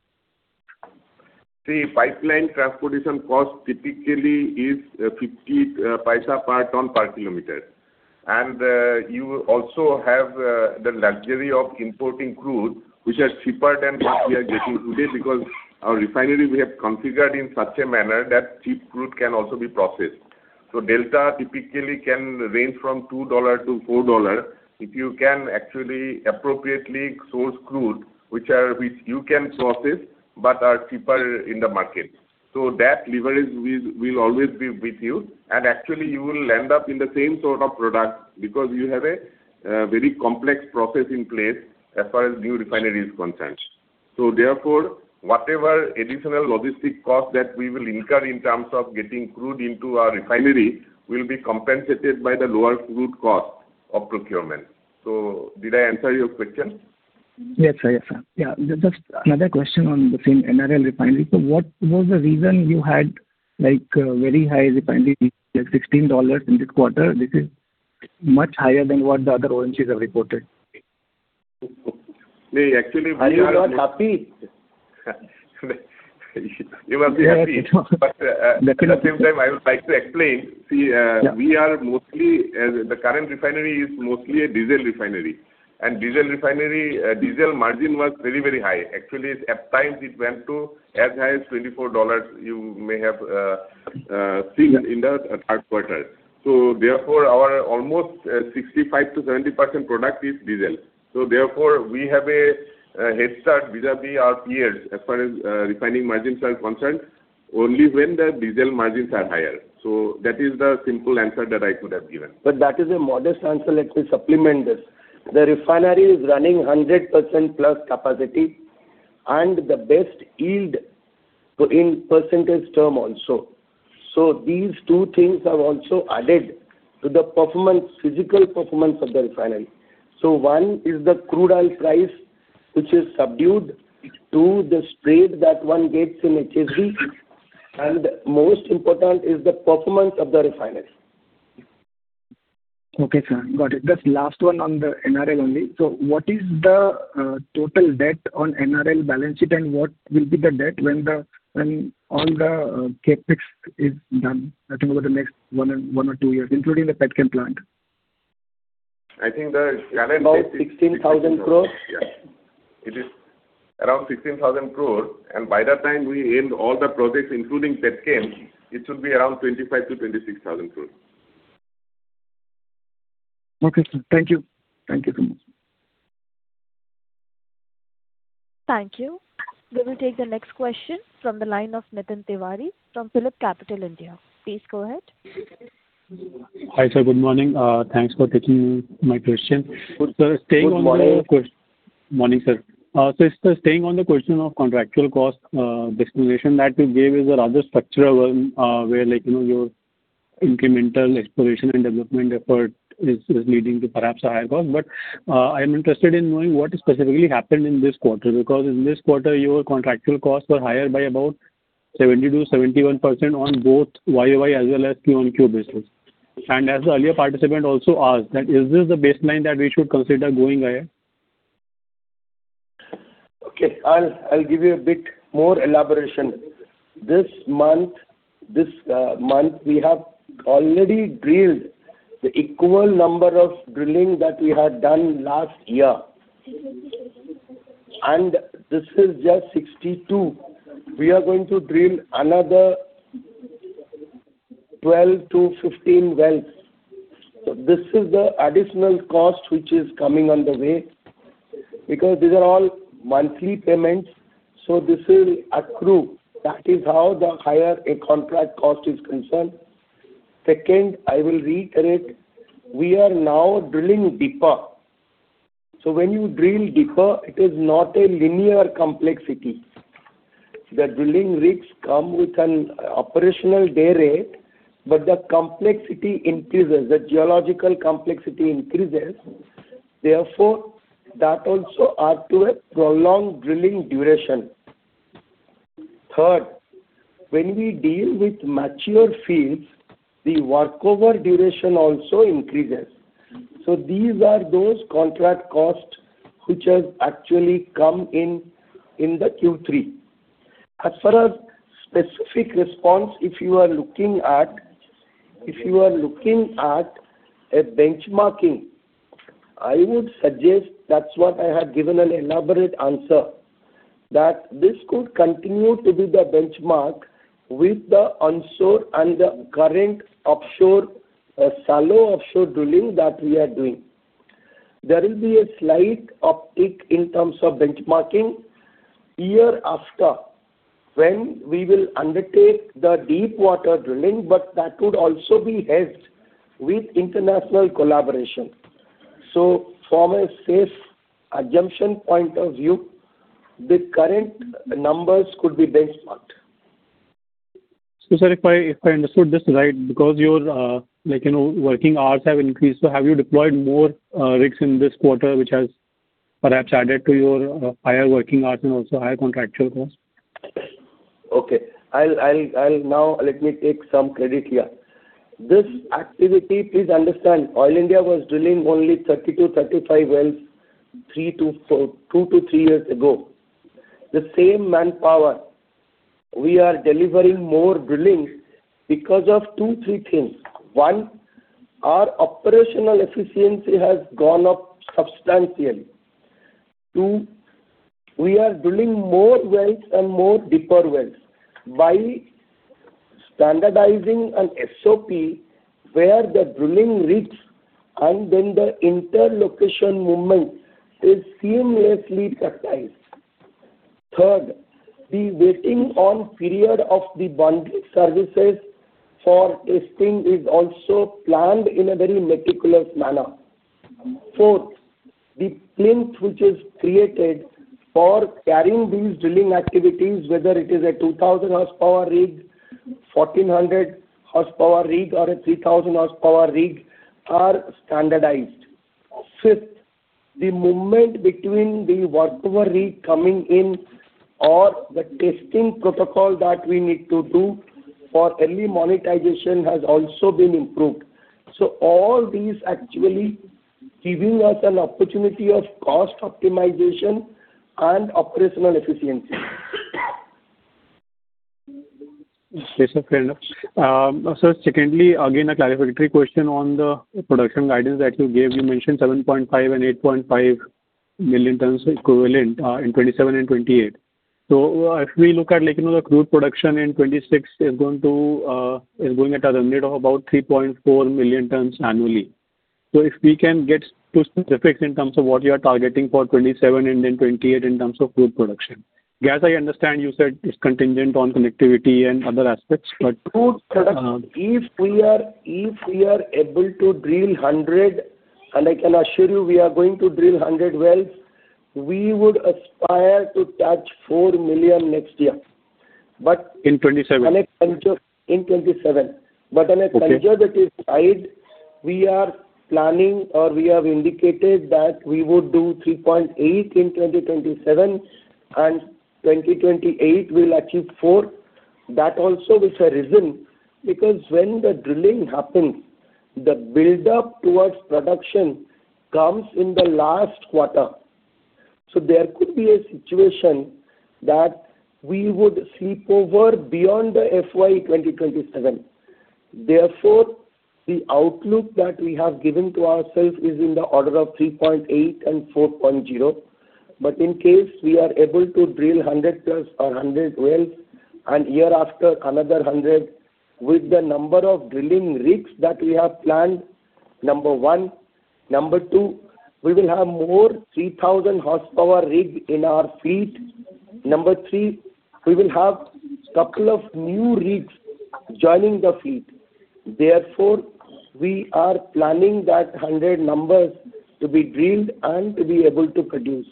See, pipeline transportation cost typically is 0.50 per ton per kilometer. And you also have the luxury of importing crude, which is cheaper than what we are getting today, because our refinery we have configured in such a manner that cheap crude can also be processed. So delta typically can range from $2-$4, if you can actually appropriately source crude, which you can process, but are cheaper in the market. So that leverage will always be with you, and actually, you will end up in the same sort of product, because you have a very complex process in place as far as new refinery is concerned. So therefore, whatever additional logistic cost that we will incur in terms of getting crude into our refinery, will be compensated by the lower crude cost of procurement. Did I answer your question? Yes, sir. Yes, sir. Yeah, just another question on the same NRL refinery. So what was the reason you had, like, very high refinery, like $16 in this quarter? This is much higher than what the other ONGC have reported. See, actually, we are- Are you not happy? You must be happy. But, at the same time, I would like to explain. See, Yeah. We are mostly the current refinery is mostly a diesel refinery. Diesel refinery diesel margin was very, very high. Actually, at times it went to as high as $24, you may have seen in the third quarter. So therefore, our almost 65%-70% product is diesel. So therefore, we have a head start vis-a-vis our peers, as far as refining margins are concerned, only when the diesel margins are higher. So that is the simple answer that I could have given. But that is a modest answer. Let me supplement this. The refinery is running 100%+ capacity, and the best yield too in percentage terms also. So these two things have also added to the performance, physical performance of the refinery. So one is the crude oil price, which is subdued to the spread that one gets in HSG, and most important is the performance of the refineries. Okay, sir. Got it. Just last one on the NRL only. So what is the total debt on NRL balance sheet, and what will be the debt when all the CapEx is done, I think, over the next one or two years, including the Petchem plant? I think the current debt is- About 16,000 crore. Yeah. It is around 16,000 crore, and by the time we end all the projects, including Petchem, it should be around 25,000 crore-26,000 crore. Okay, sir. Thank you. Thank you very much. Thank you. We will take the next question from the line of Nitin Tiwari from PhillipCapital India. Please go ahead. Hi, sir. Good morning. Thanks for taking my question. Good morning. Morning, sir. So, sir, staying on the question of contractual cost, explanation that you gave is a rather structural one, where, like, you know, your incremental exploration and development effort is, is leading to perhaps a higher cost. But, I am interested in knowing what specifically happened in this quarter, because in this quarter, your contractual costs were higher by about 70%-71% on both YOY as well as QoQ basis. And as the earlier participant also asked, that is, is this the baseline that we should consider going ahead? Okay, I'll give you a bit more elaboration. This month, we have already drilled the equal number of drilling that we had done last year. And this is just 62. We are going to drill another 12-15 wells. So this is the additional cost which is coming on the way, because these are all monthly payments, so this will accrue. That is how the higher a contract cost is concerned. Second, I will reiterate, we are now drilling deeper. So when you drill deeper, it is not a linear complexity. The drilling rigs come with an operational day rate, but the complexity increases, the geological complexity increases. Therefore, that also add to a prolonged drilling duration. Third, when we deal with mature fields, the workover duration also increases. So these are those contract costs which has actually come in, in the Q3. As far as specific response, if you are looking at, if you are looking at a benchmarking, I would suggest that's what I had given an elaborate answer, that this could continue to be the benchmark with the onshore and the current offshore, shallow offshore drilling that we are doing. There will be a slight uptick in terms of benchmarking year after, when we will undertake the deep water drilling, but that would also be helped with international collaboration. So from a safe assumption point of view, the current numbers could be benchmarked.... So, sir, if I, if I understood this right, because your, like, you know, working hours have increased, so have you deployed more rigs in this quarter, which has perhaps added to your higher working hours and also higher contractual costs? Okay. I'll now, let me take some credit here. This activity, please understand, Oil India was drilling only 30-35 wells, three-four, two-three years ago. The same manpower, we are delivering more drilling because of two-three things. One, our operational efficiency has gone up substantially. Two, we are drilling more wells and more deeper wells, while standardizing an SOP, where the drilling rigs and then the inter-location movement is seamlessly baptized. Third, the waiting on period of the bundled services for testing is also planned in a very meticulous manner. Fourth, the plinth which is created for carrying these drilling activities, whether it is a 2,000 hp rig, 1,400 hp rig, or a 3,000 hp rig, are standardized. Fifth, the movement between the workover rig coming in or the testing protocol that we need to do for early monetization has also been improved. So all these actually giving us an opportunity of cost optimization and operational efficiency. Yes, sir, fair enough. So secondly, again, a clarificatory question on the production guidance that you gave. You mentioned 7.5 million and 8.5 million tons equivalent in 2027 and 2028. So if we look at, like, you know, the crude production in 2026 is going at a run rate of about 3.4 million tons annually. So if we can get to some specifics in terms of what you are targeting for 2027 and then 2028 in terms of crude production. As I understand, you said it's contingent on connectivity and other aspects, but, Crude production, if we are, if we are able to drill 100, and I can assure you, we are going to drill 100 wells, we would aspire to touch 4 million next year. But- In 2027? In 2027. Okay. But on a conservative side, we are planning or we have indicated that we would do 3.8 in 2027, and 2028, we'll achieve four. That also is a reason, because when the drilling happens, the buildup towards production comes in the last quarter. So there could be a situation that we would slip over beyond the FY 2027. Therefore, the outlook that we have given to ourselves is in the order of 3.8 and 4.0. But in case we are able to drill 100 wells or 100 wells, and year after, another 100, with the number of drilling rigs that we have planned, number one. Number two, we will have more 3,000 hp rig in our fleet. Number three, we will have couple of new rigs joining the fleet. Therefore, we are planning that 100 numbers to be drilled and to be able to produce.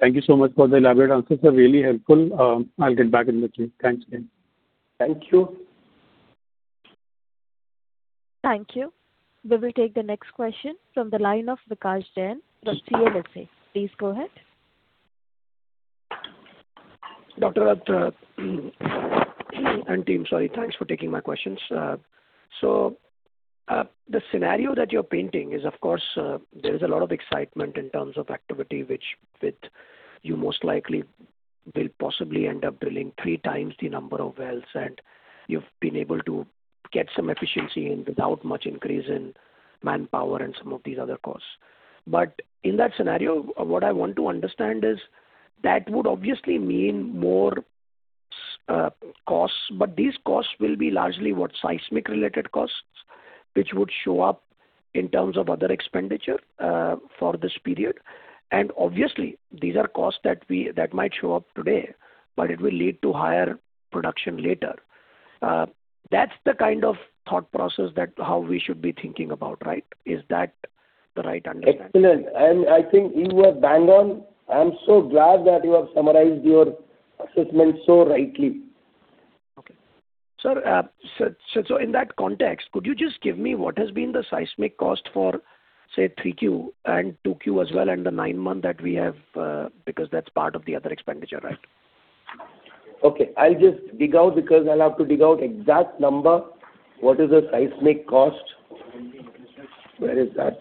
Thank you so much for the elaborate answer, sir. Really helpful. I'll get back in the queue. Thanks again. Thank you. Thank you. We will take the next question from the line of Vikas Jain from CLSA. Please go ahead. Dr. Rath, and team, sorry, thanks for taking my questions. So, the scenario that you're painting is, of course, there is a lot of excitement in terms of activity, which with you most likely will possibly end up drilling three times the number of wells, and you've been able to get some efficiency in without much increase in manpower and some of these other costs. But in that scenario, what I want to understand is, that would obviously mean more costs, but these costs will be largely what, seismic-related costs, which would show up in terms of other expenditure for this period. And obviously, these are costs that might show up today, but it will lead to higher production later. That's the kind of thought process that how we should be thinking about, right? Is that the right understanding? Excellent. I think you are bang on. I am so glad that you have summarized your assessment so rightly. Okay. Sir, so in that context, could you just give me what has been the seismic cost for, say, three Q and two Q as well, and the nine months that we have, because that's part of the other expenditure, right? Okay, I'll just dig out, because I'll have to dig out exact number. What is the seismic cost? Where is that?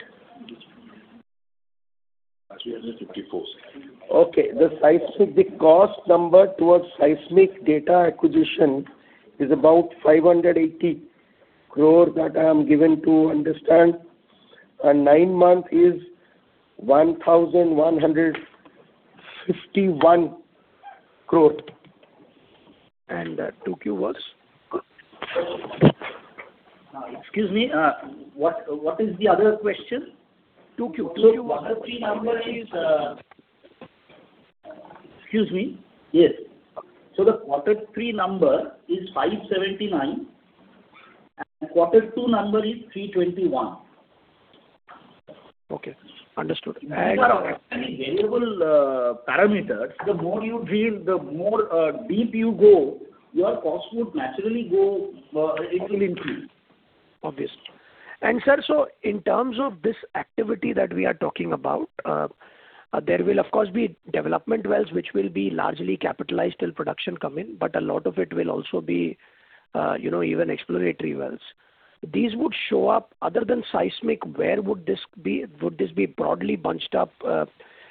354, sir. Okay, the seismic, the cost number towards seismic data acquisition is about 580 crore, that I am given to understand, and nine months is 1,151 crore. 2Q was? Excuse me, what is the other question? Two Q. So the quarter three number is, Excuse me. Yes. So the quarter three number is 579, and quarter two number is 321.... Okay, understood. And- These are actually variable parameters. The more you drill, the more deep you go, your cost would naturally go, it will increase. Obviously. And, sir, so in terms of this activity that we are talking about, there will of course be development wells, which will be largely capitalized till production come in, but a lot of it will also be, you know, even exploratory wells. These would show up—other than seismic, where would this be, would this be broadly bunched up?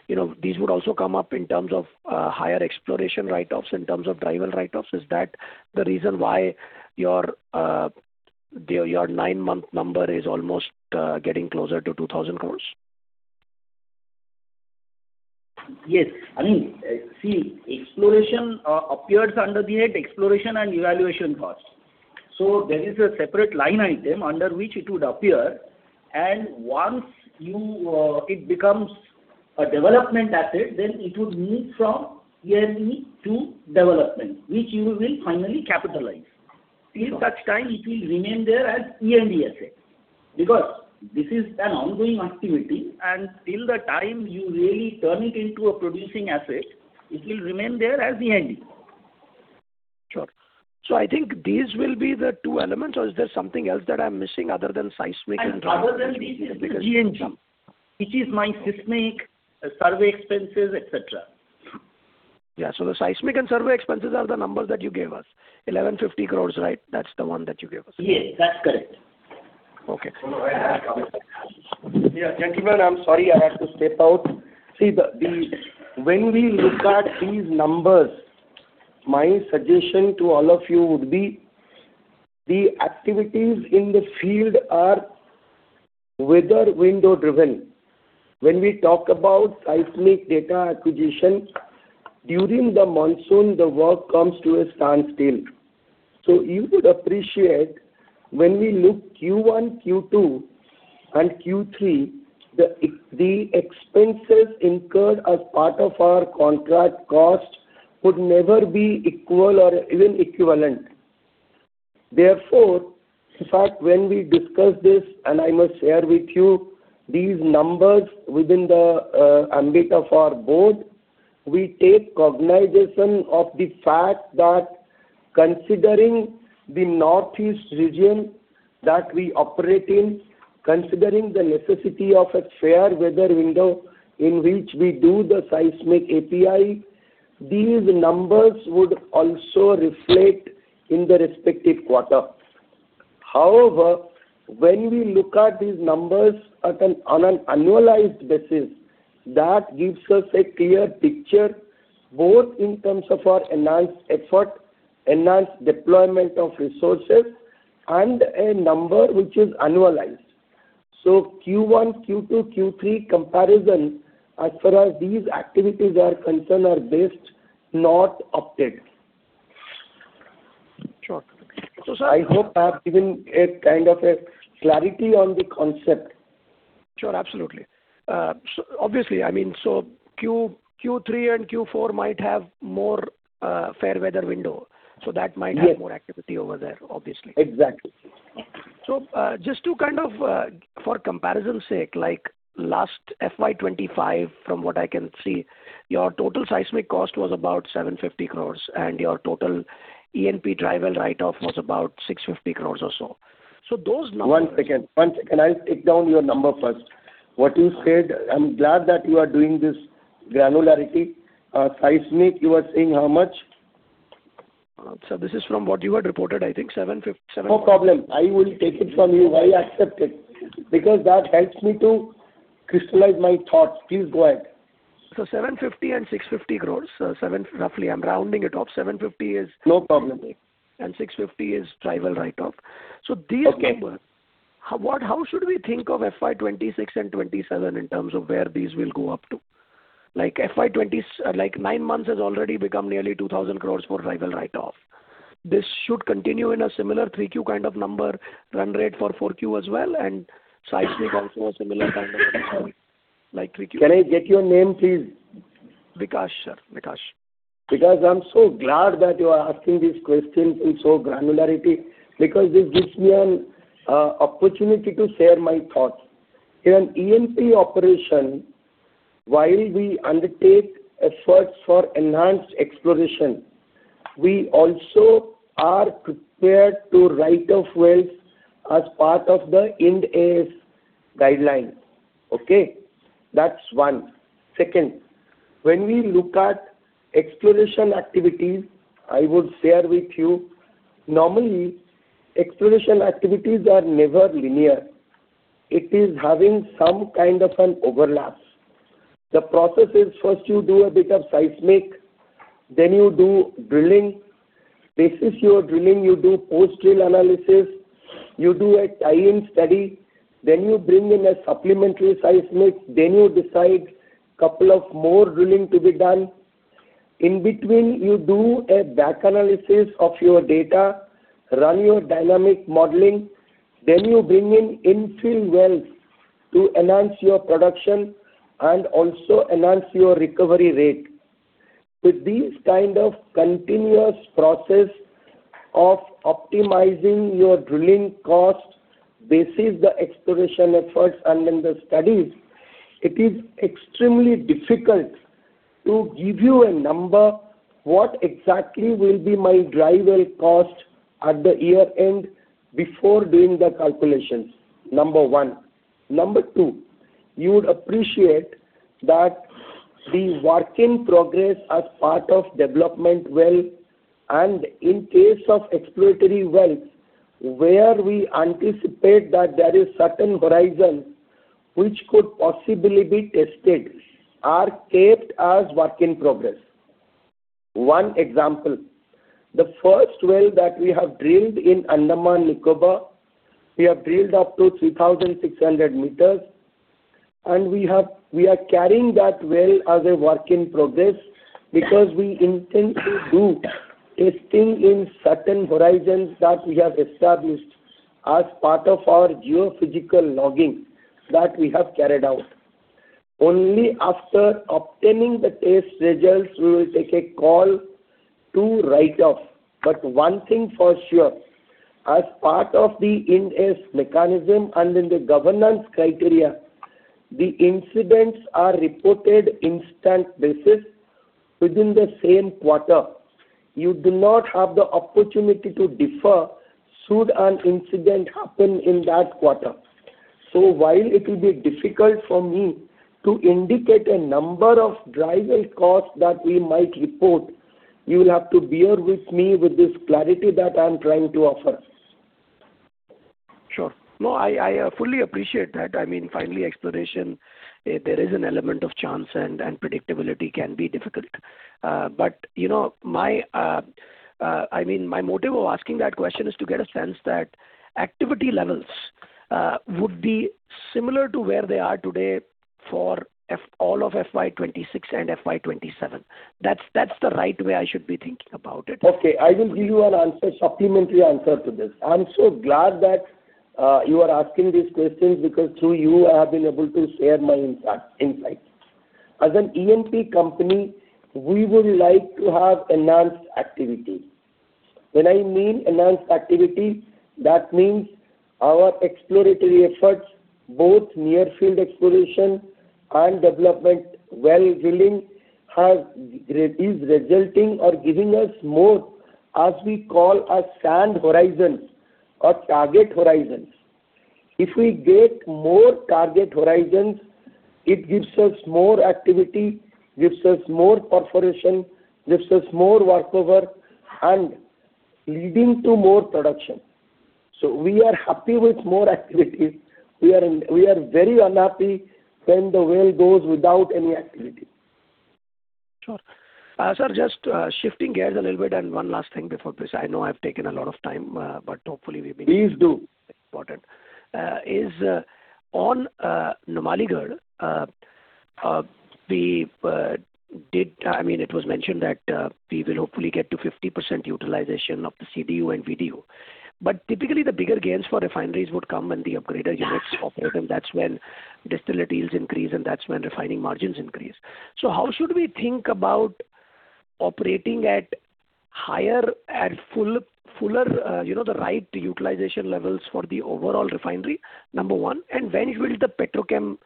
You know, these would also come up in terms of higher exploration write-offs, in terms of dry well write-offs. Is that the reason why your, your, your nine-month number is almost getting closer to 2,000 crore? Yes. I mean, see, exploration appears under the head exploration and evaluation costs. So there is a separate line item under which it would appear, and once you, it becomes a development asset, then it would move from E&E to development, which you will finally capitalize. Till such time, it will remain there as E&E asset, because this is an ongoing activity, and till the time you really turn it into a producing asset, it will remain there as E&E. Sure. So I think these will be the two elements, or is there something else that I'm missing other than seismic and- Other than this is the G&G, which is my seismic survey expenses, et cetera. Yeah. So the seismic and survey expenses are the numbers that you gave us. 1,150 crore, right? That's the one that you gave us. Yes, that's correct. Okay. Yeah, gentlemen, I'm sorry, I had to step out. See, the—when we look at these numbers, my suggestion to all of you would be, the activities in the field are weather window driven. When we talk about seismic data acquisition, during the monsoon, the work comes to a standstill. So you would appreciate when we look at Q1, Q2, and Q3, the expenses incurred as part of our contract cost would never be equal or even equivalent. Therefore, in fact, when we discuss this, and I must share with you these numbers within the ambit of our board, we take cognizance of the fact that considering the northeast region that we operate in, considering the necessity of a fair weather window in which we do the seismic API, these numbers would also reflect in the respective quarter. However, when we look at these numbers on an annualized basis, that gives us a clear picture, both in terms of our enhanced effort, enhanced deployment of resources, and a number which is annualized. So Q1, Q2, Q3 comparison, as far as these activities are concerned, are best not updated. Sure. I hope I have given a kind of a clarity on the concept. Sure. Absolutely. So obviously, I mean, so Q3 and Q4 might have more fair weather window, so that might- Yes. have more activity over there, obviously. Exactly. Just to kind of, for comparison sake, like last FY 2025, from what I can see, your total seismic cost was about 750 crore, and your total E&P dry well write-off was about 650 crore or so. Those numbers- One second. One second. I'll take down your number first. What you said, I'm glad that you are doing this granularity. Seismic, you were saying how much? So this is from what you had reported, I think 750, 7- No problem. I will take it from you. I accept it, because that helps me to crystallize my thoughts. Please go ahead. 750 crore and 650 crore. Roughly, I'm rounding it off. 750 crore is- No problem. 650 is dry well write-off. Okay. These numbers, how, what—how should we think of FY 2026 and 2027 in terms of where these will go up to? Like FY 2020, like nine months has already become nearly 2,000 crore for dry well write-off. This should continue in a similar 3Q kind of number, run rate for 4Q as well, and seismic also a similar kind of like 3Q. Can I get your name, please? Vikas, sir. Vikas. Vikas, I'm so glad that you are asking these questions in so granularity, because this gives me an opportunity to share my thoughts. In an E&P operation, while we undertake efforts for enhanced exploration, we also are prepared to write off wells as part of the Ind AS guideline. Okay? That's one. Second, when we look at exploration activities, I would share with you, normally, exploration activities are never linear. It is having some kind of an overlaps. The process is: first, you do a bit of seismic, then you do drilling. Basis your drilling, you do post-drill analysis, you do a tie-in study, then you bring in a supplementary seismic, then you decide couple of more drilling to be done. In between, you do a back analysis of your data, run your dynamic modeling, then you bring in infill wells to enhance your production and also enhance your recovery rate. With these kind of continuous process of optimizing your drilling costs basis the exploration efforts and then the studies, it is extremely difficult to give you a number, what exactly will be my dry well cost at the year-end before doing the calculations, number one. Number two, you would appreciate that the work in progress as part of development well, and in case of exploratory wells, where we anticipate that there is certain horizon which could possibly be tested, are kept as work in progress. One example, the first well that we have drilled in Andaman and Nicobar, we have drilled up to 3,600 m, and we have—we are carrying that well as a work in progress, because we intend to do testing in certain horizons that we have established as part of our geophysical logging that we have carried out. Only after obtaining the test results, we will take a call to write off. But one thing for sure, as part of the Ind AS mechanism and in the governance criteria, the incidents are reported instant basis within the same quarter. You do not have the opportunity to defer should an incident happen in that quarter. So while it will be difficult for me to indicate a number of dry well costs that we might report, you will have to bear with me with this clarity that I am trying to offer. Sure. No, I fully appreciate that. I mean, finally, exploration, there is an element of chance and predictability can be difficult. But, you know, I mean, my motive of asking that question is to get a sense that activity levels would be similar to where they are today for all of FY 2026 and FY 2027. That's the right way I should be thinking about it. Okay, I will give you an answer, supplementary answer to this. I'm so glad that you are asking these questions, because through you, I have been able to share my insight, insights. As an E&P company, we would like to have enhanced activity. When I mean enhanced activity, that means our exploratory efforts, both near field exploration and development well drilling, is resulting or giving us more, as we call, a sand horizon or target horizons. If we get more target horizons, it gives us more activity, gives us more perforation, gives us more workover and leading to more production. So we are happy with more activities. We are very unhappy when the well goes without any activity. Sure. Sir, just shifting gears a little bit, and one last thing before this. I know I've taken a lot of time, but hopefully we may- Please do. I mean, it was mentioned that we will hopefully get to 50% utilization of the CDU and VDU. But typically, the bigger gains for refineries would come when the upgrader units operate, and that's when distillery yields increase, and that's when refining margins increase. So how should we think about operating at higher, at full, fuller, you know, the right utilization levels for the overall refinery, number one, and when will the petrochem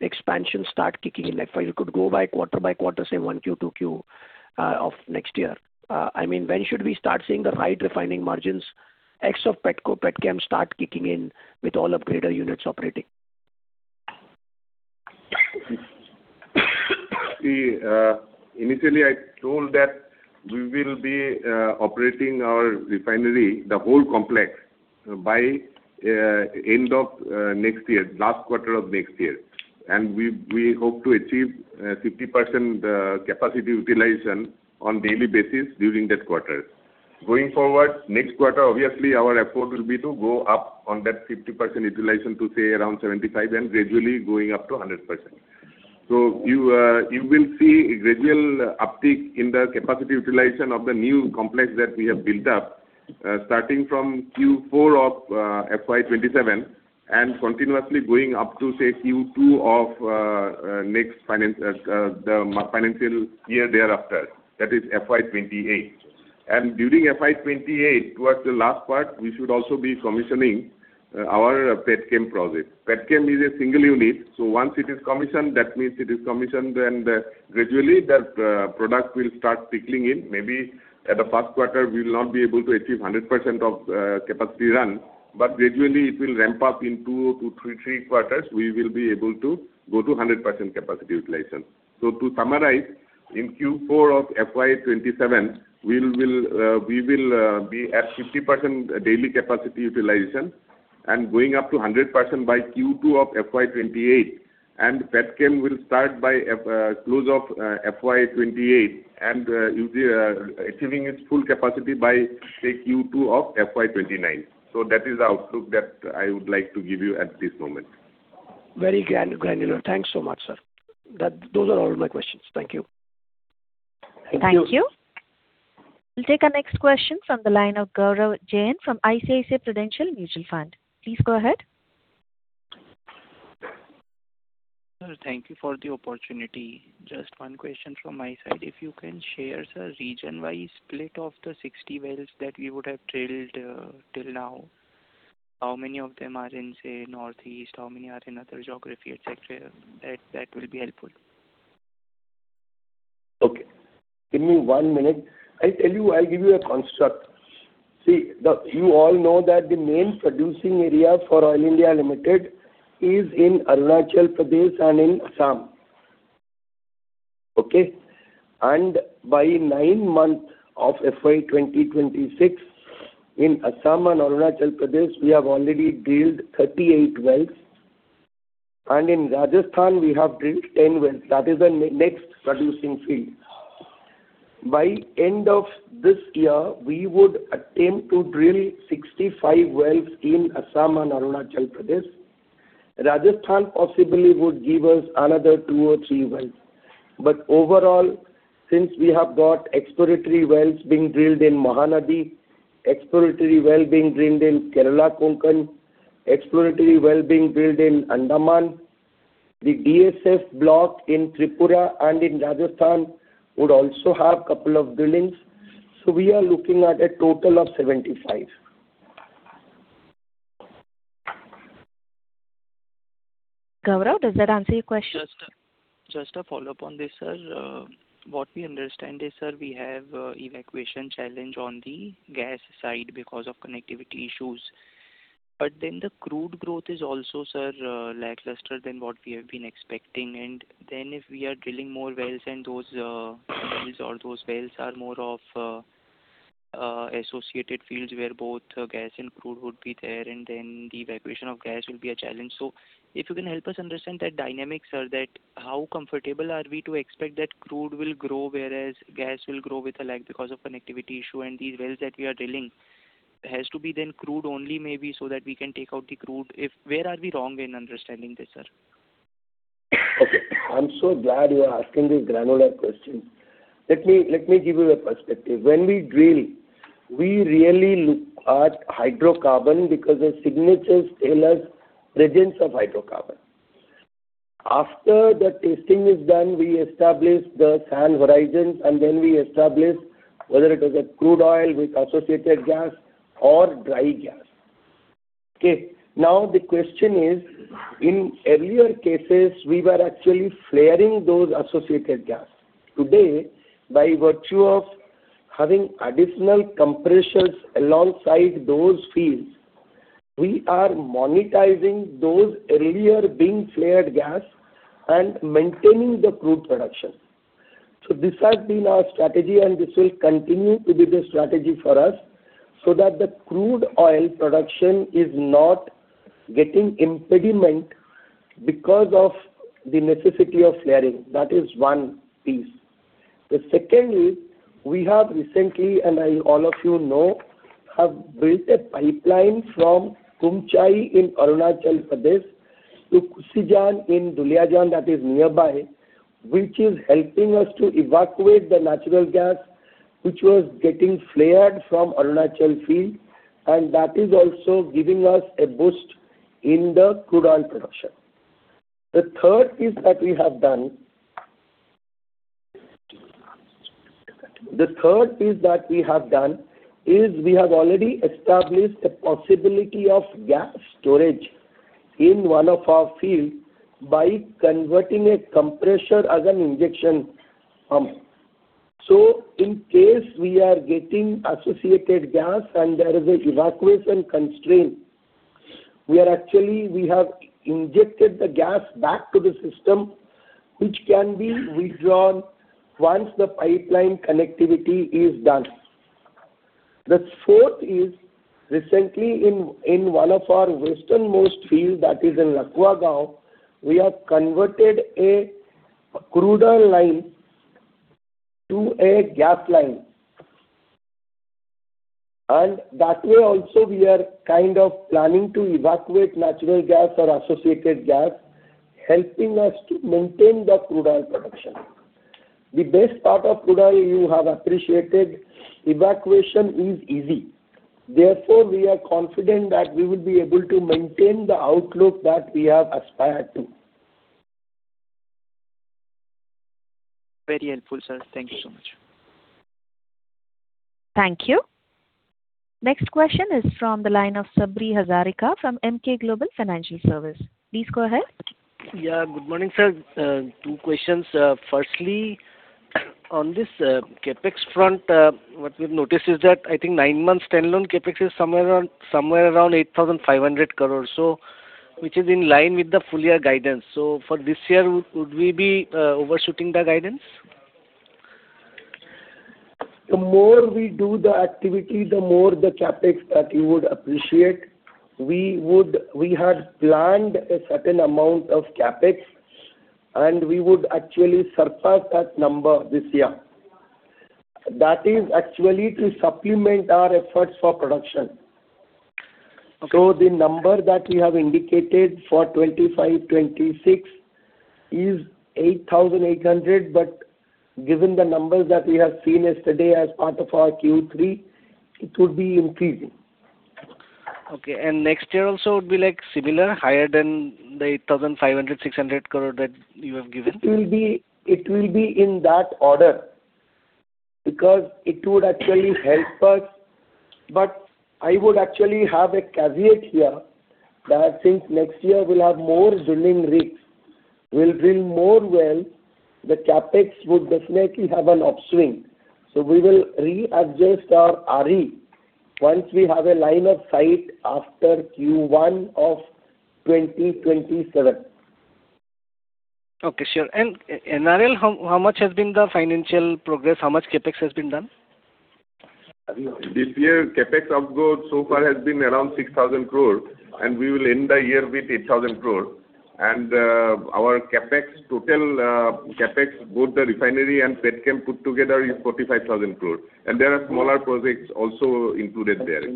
expansion start kicking in? If you could go by quarter by quarter, say, 1Q, 2Q of next year. I mean, when should we start seeing the high refining margins, ex of petro, petchem, start kicking in with all upgrader units operating? See, initially, I told that we will be operating our refinery, the whole complex, by end of next year, last quarter of next year. And we, we hope to achieve 50% capacity utilization on daily basis during that quarter. Going forward, next quarter, obviously, our effort will be to go up on that 50% utilization to, say, around 75, and gradually going up to 100%. So you, you will see a gradual uptick in the capacity utilization of the new complex that we have built up, starting from Q4 of FY 2027, and continuously going up to, say, Q2 of next finance, the financial year thereafter. That is FY 2028. And during FY 2028, towards the last part, we should also be commissioning our petchem project. Petchem is a single unit, so once it is commissioned, that means it is commissioned, and gradually that product will start trickling in. Maybe at the first quarter, we will not be able to achieve 100% of capacity run, but gradually it will ramp up in 2-3 quarters, we will be able to go to 100% capacity utilization. So to summarize, in Q4 of FY 2027, we will be at 50% daily capacity utilization and going up to 100% by Q2 of FY 2028. And Petchem will start by close of FY 2028, and it will be achieving its full capacity by, say, Q2 of FY 2029. So that is the outlook that I would like to give you at this moment. Very granular. Thanks so much, sir. Those are all my questions. Thank you. Thank you. We'll take our next question from the line of Gaurav Jain from ICICI Prudential Mutual Fund. Please go ahead.... Sir, thank you for the opportunity. Just one question from my side. If you can share, sir, region-wise split of the 60 wells that you would have drilled till now. How many of them are in, say, Northeast? How many are in other geography, et cetera? That will be helpful. Okay. Give me one minute. I tell you, I'll give you a construct. See, the you all know that the main producing area for Oil India Limited is in Arunachal Pradesh and in Assam. Okay? And by nine months of FY 2026, in Assam and Arunachal Pradesh, we have already drilled 38 wells, and in Rajasthan, we have drilled 10 wells. That is the next producing field. By end of this year, we would attempt to drill 65 wells in Assam and Arunachal Pradesh. Rajasthan possibly would give us another two or three wells. But overall, since we have got exploratory wells being drilled in Mahanadi, exploratory well being drilled in Kerala-Konkan, exploratory well being drilled in Andaman, the DSF block in Tripura and in Rajasthan would also have couple of drillings, so we are looking at a total of 75. Gaurav, does that answer your question? Yes, sir. Just a follow-up on this, sir. What we understand is, sir, we have evacuation challenge on the gas side because of connectivity issues. But then the crude growth is also, sir, lackluster than what we have been expecting. And then if we are drilling more wells and those, or those wells are more of associated fields where both gas and crude would be there, and then the evacuation of gas will be a challenge. So if you can help us understand that dynamic, sir, that how comfortable are we to expect that crude will grow, whereas gas will grow with a lag because of connectivity issue, and these wells that we are drilling has to be then crude only, maybe, so that we can take out the crude. If—where are we wrong in understanding this, sir? Okay, I'm so glad you are asking this granular question. Let me, let me give you a perspective. When we drill, we really look at hydrocarbon because the signature tell us presence of hydrocarbon. After the testing is done, we establish the sand horizons, and then we establish whether it is a crude oil with associated gas or dry gas. Okay, now the question is, in earlier cases, we were actually flaring those associated gas. Today, by virtue of having additional compressors alongside those fields, we are monetizing those earlier being flared gas and maintaining the crude production. So this has been our strategy, and this will continue to be the strategy for us, so that the crude oil production is not getting impediment because of the necessity of flaring. That is one piece. The second is, we have recently, and I, all of you know, have built a pipeline from Kumchai in Arunachal Pradesh to Kusijan in Duliajan, that is nearby, which is helping us to evacuate the natural gas, which was getting flared from Arunachal field, and that is also giving us a boost in the crude oil production. The third is, we have already established a possibility of gas storage in one of our field by converting a compressor as an injection pump. So in case we are getting associated gas and there is an evacuation constraint, we are actually, we have injected the gas back to the system, which can be withdrawn once the pipeline connectivity is done. The fourth is, recently in one of our westernmost field, that is in Lakwagaon, we have converted a crude oil line to a gas line. And that way also, we are kind of planning to evacuate natural gas or associated gas, helping us to maintain the crude oil production. The best part of crude oil, you have appreciated, evacuation is easy. Therefore, we are confident that we will be able to maintain the outlook that we have aspired to. Very helpful, sir. Thank you so much. Thank you. Next question is from the line of Sabri Hazarika from Emkay Global Financial Services. Please go ahead. Yeah, good morning, sir. Two questions. Firstly, on this CapEx front, what we've noticed is that I think nine months stand-alone CapEx is somewhere around 8,500 crore, so which is in line with the full year guidance. So for this year, would we be overshooting the guidance? The more we do the activity, the more the CapEx that you would appreciate. We had planned a certain amount of CapEx, and we would actually surpass that number this year. That is actually to supplement our efforts for production. Okay. The number that we have indicated for 2025-2026 is 8,800, but given the numbers that we have seen yesterday as part of our Q3, it would be increasing.... Okay, and next year also would be, like, similar, higher than the 8,500-600 crore that you have given? It will be, it will be in that order, because it would actually help us. But I would actually have a caveat here, that since next year we'll have more drilling rigs, we'll drill more wells, the CapEx would definitely have an upswing. So we will readjust our RE once we have a line of sight after Q1 of 2027. Okay, sure. And NRL, how much has been the financial progress? How much CapEx has been done? This year, CapEx so far has been around 6,000 crore, and we will end the year with 8,000 crore. Our CapEx, total, CapEx, both the refinery and petchem put together, is 45,000 crore. There are smaller projects also included there.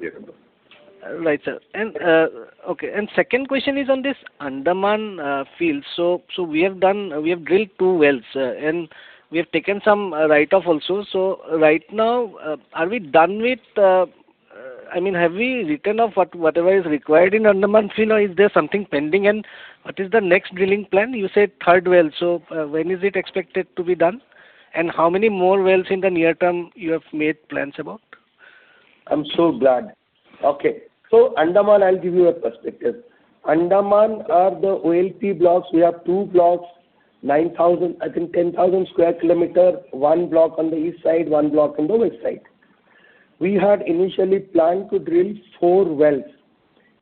Yes. Right, sir. And, okay, and second question is on this Andaman field. So, we have drilled two wells, and we have taken some write-off also. So right now, are we done with... I mean, have we written off whatever is required in Andaman field, or is there something pending, and what is the next drilling plan? You said third well, so, when is it expected to be done? And how many more wells in the near term you have made plans about? I'm so glad. Okay, so Andaman, I'll give you a perspective. Andaman are the OALP blocks. We have two blocks, 9,000, I think 10,000 sq km, one block on the east side, one block on the west side. We had initially planned to drill four wells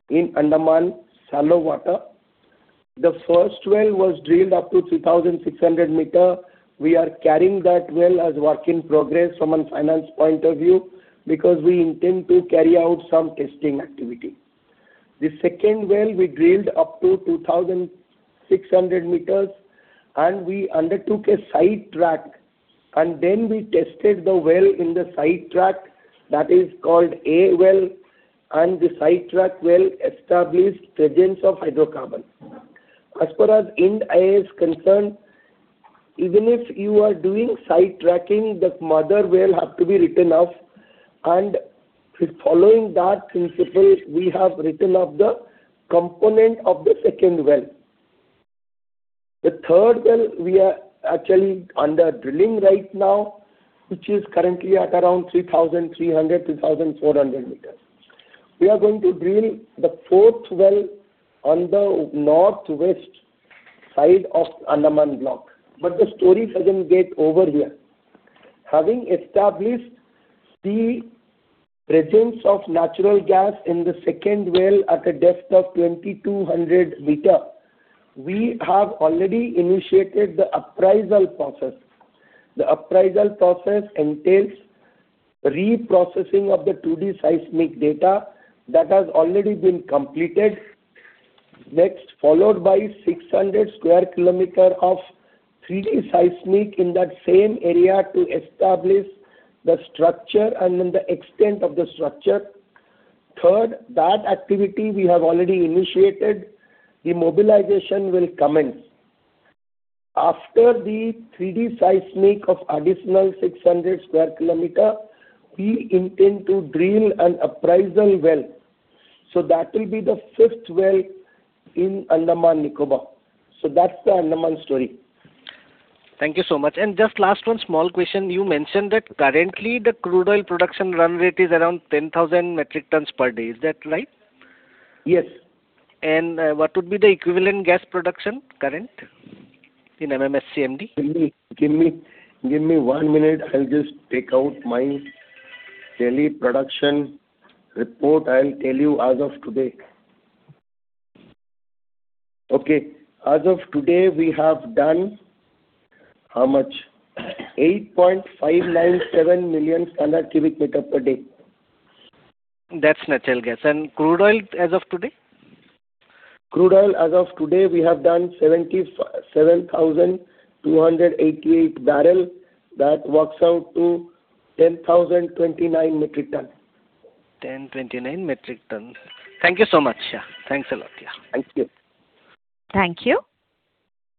in Andaman shallow water. The first well was drilled up to 3,600 m. We are carrying that well as work in progress from a finance point of view, because we intend to carry out some testing activity. The second well, we drilled up to 2,600 m, and we undertook a sidetrack, and then we tested the well in the sidetrack. That is called A well, and the sidetrack well established presence of hydrocarbon. As far as Ind AS is concerned, even if you are doing sidetracking, the mother well has to be written off, and following that principle, we have written off the component of the second well. The third well, we are actually under drilling right now, which is currently at around 3,300-3,400 meters. We are going to drill the fourth well on the northwest side of Andaman block. But the story doesn't get over here. Having established the presence of natural gas in the second well at a depth of 2,200 meters, we have already initiated the appraisal process. The appraisal process entails reprocessing of the 2D Seismic data that has already been completed. Next, followed by 600 sq km of 3D Seismic in that same area to establish the structure and then the extent of the structure. Third, that activity we have already initiated. The mobilization will commence. After the 3D seismic of additional 600 sq km, we intend to drill an appraisal well. So that will be the fifth well in Andaman Nicobar. So that's the Andaman story. Thank you so much. Just last one small question: You mentioned that currently the crude oil production run rate is around 10,000 metric tons per day. Is that right? Yes. What would be the equivalent gas production, current, in MMSCFD? Give me, give me, give me one minute. I'll just take out my daily production report. I'll tell you as of today. Okay, as of today, we have done, how much? 8.597 million standard cubic meter per day. That's natural gas. And crude oil as of today? Crude oil, as of today, we have done 77,288 bbl. That works out to 10,029 metric ton. 1,029 metric ton. Thank you so much, yeah. Thanks a lot, yeah. Thank you. Thank you.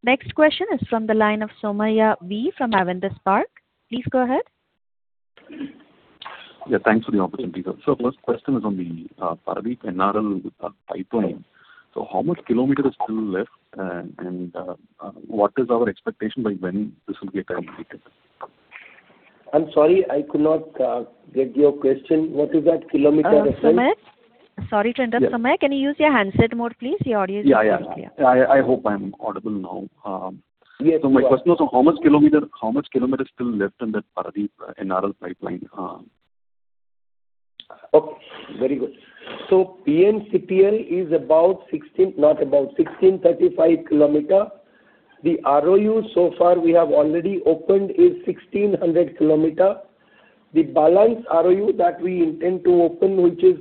Next question is from the line of Somaiya V. from Avendus Spark. Please go ahead. Yeah, thanks for the opportunity, sir. So first question is on the Paradip NRL pipeline. So how much kilometer is still left, and, and, what is our expectation by when this will get completed? I'm sorry, I could not get your question. What is that, kilometer? Somaiya? Sorry to interrupt. Somaiya, can you use your handset mode, please? Your audio is not clear. Yeah, yeah. I hope I am audible now. Yes. My question was, how much kilometer, how much kilometer is still left in that Paradip NRL pipeline? Okay, very good. So PNCPL is about 16, not about, 1,635 km. The ROU, so far we have already opened is 1,600 km. The balance ROU that we intend to open, which is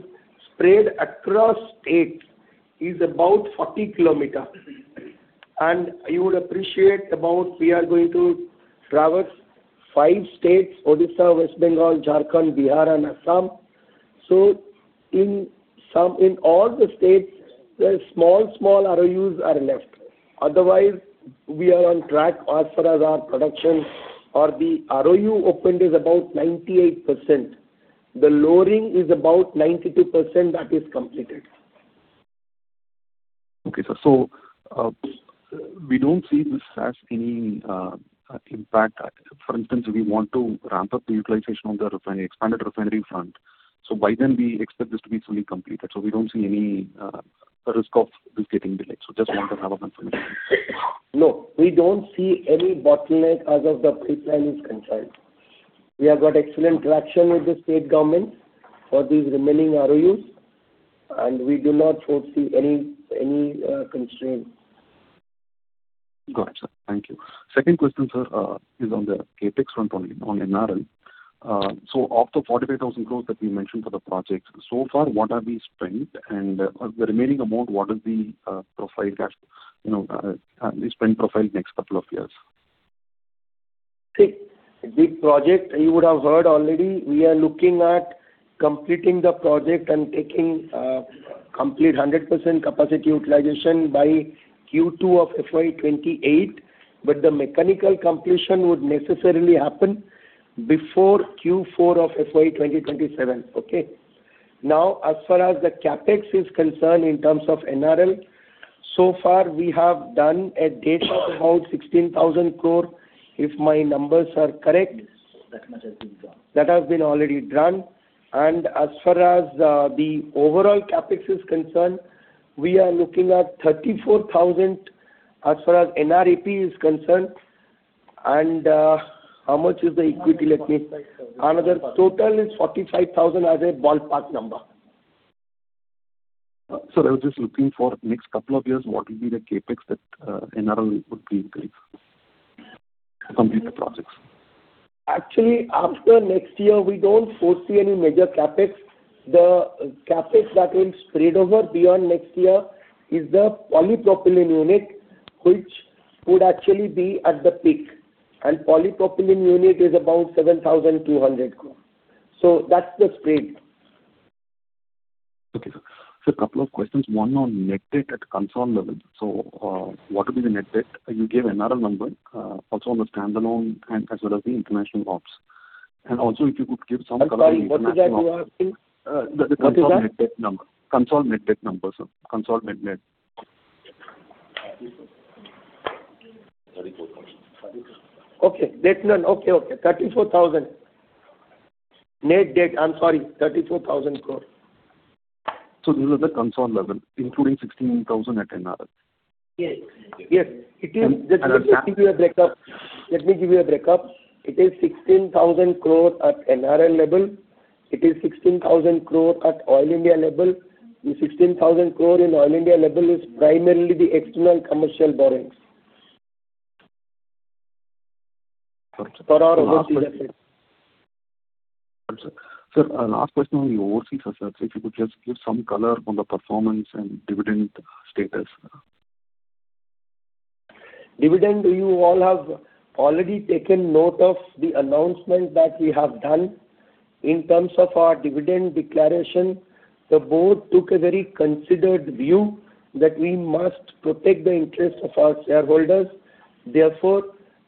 spread across eight, is about 40 km. And you would appreciate about we are going to traverse five states: Odisha, West Bengal, Jharkhand, Bihar, and Assam. So in some, in all the states, there are small, small ROUs left. Otherwise, we are on track as far as our production, or the ROU opened is about 98%. The loading is about 92%, that is completed. Okay, sir. So, we don't see this as any impact. For instance, we want to ramp up the utilization on the refinery, expanded refinery front. So by then, we expect this to be fully completed, so we don't see any risk of this getting delayed. So just want to have a confirmation. No, we don't see any bottleneck as far as the pipeline is concerned. We have got excellent interaction with the state government for these remaining ROUs, and we do not foresee any constraints. Got it, sir. Thank you. Second question, sir, is on the CapEx front on, on NRL. So of the 45,000 crore that we mentioned for the project, so far, what have we spent? And, the remaining amount, what is the, profile that, you know, the spend profile next couple of years? The project, you would have heard already, we are looking at completing the project and taking complete 100% capacity utilization by Q2 of FY 2028, but the mechanical completion would necessarily happen before Q4 of FY 2027. Okay? Now, as far as the CapEx is concerned, in terms of NRL, so far, we have done capex of about 16,000 crore, if my numbers are correct. Yes, that much has been done. That has been already done. As far as the overall CapEx is concerned, we are looking at 34,000 as far as NREP is concerned. How much is the equity? Let me-... Total is 45,000 as a ballpark number. Sir, I was just looking for next couple of years, what will be the CapEx that NRL would be requiring to complete the projects? Actually, after next year, we don't foresee any major CapEx. The CapEx that will spread over beyond next year is the polypropylene unit, which would actually be at the peak, and polypropylene unit is about 7,200 crore. So that's the spread. Okay, sir. So a couple of questions, one on net debt at consolidated. So, what will be the net debt? You gave NRL number, also on the standalone and as well as the international ops. And also, if you could give some color- I'm sorry, what is that you are saying? Uh, the- What is that? Consolidated net debt number. Consolidated net... Thirty-four point. Okay. Debt, INR 34,000 crore. Net debt, I'm sorry, 34,000 crore. This is the consolidated level, including 16,000 at NRL? Yes, yes. It is- And- Let me give you a break-up. Let me give you a break-up. It is 16,000 crore at NRL level. It is 16,000 crore at Oil India level. The 16,000 crore in Oil India level is primarily the external commercial borrowings. Got you. For our overseas effect. Sir, last question on your overseas, sir. So if you could just give some color on the performance and dividend status. Dividend, you all have already taken note of the announcement that we have done. In terms of our dividend declaration, the board took a very considered view that we must protect the interest of our shareholders. Therefore,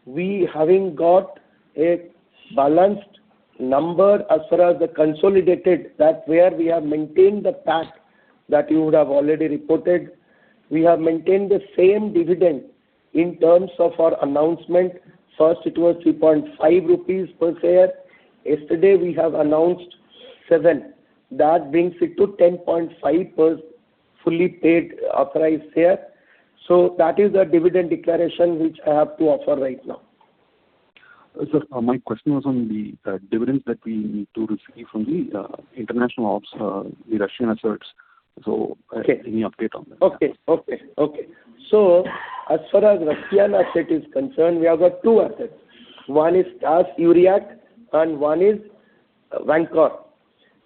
we having got a balanced number as far as the consolidated, that where we have maintained the PAT that you would have already reported. We have maintained the same dividend in terms of our announcement. First, it was 3.5 rupees per share. Yesterday, we have announced 7. That brings it to 10.5 per fully paid authorized share. So that is the dividend declaration which I have to offer right now. Sir, my question was on the dividends that we need to receive from the international ops, the Russian assets. So- Okay. Any update on that? Okay, okay, okay. So as far as Russian asset is concerned, we have got two assets. One is Taas-Yuryakh, and one is Vankor.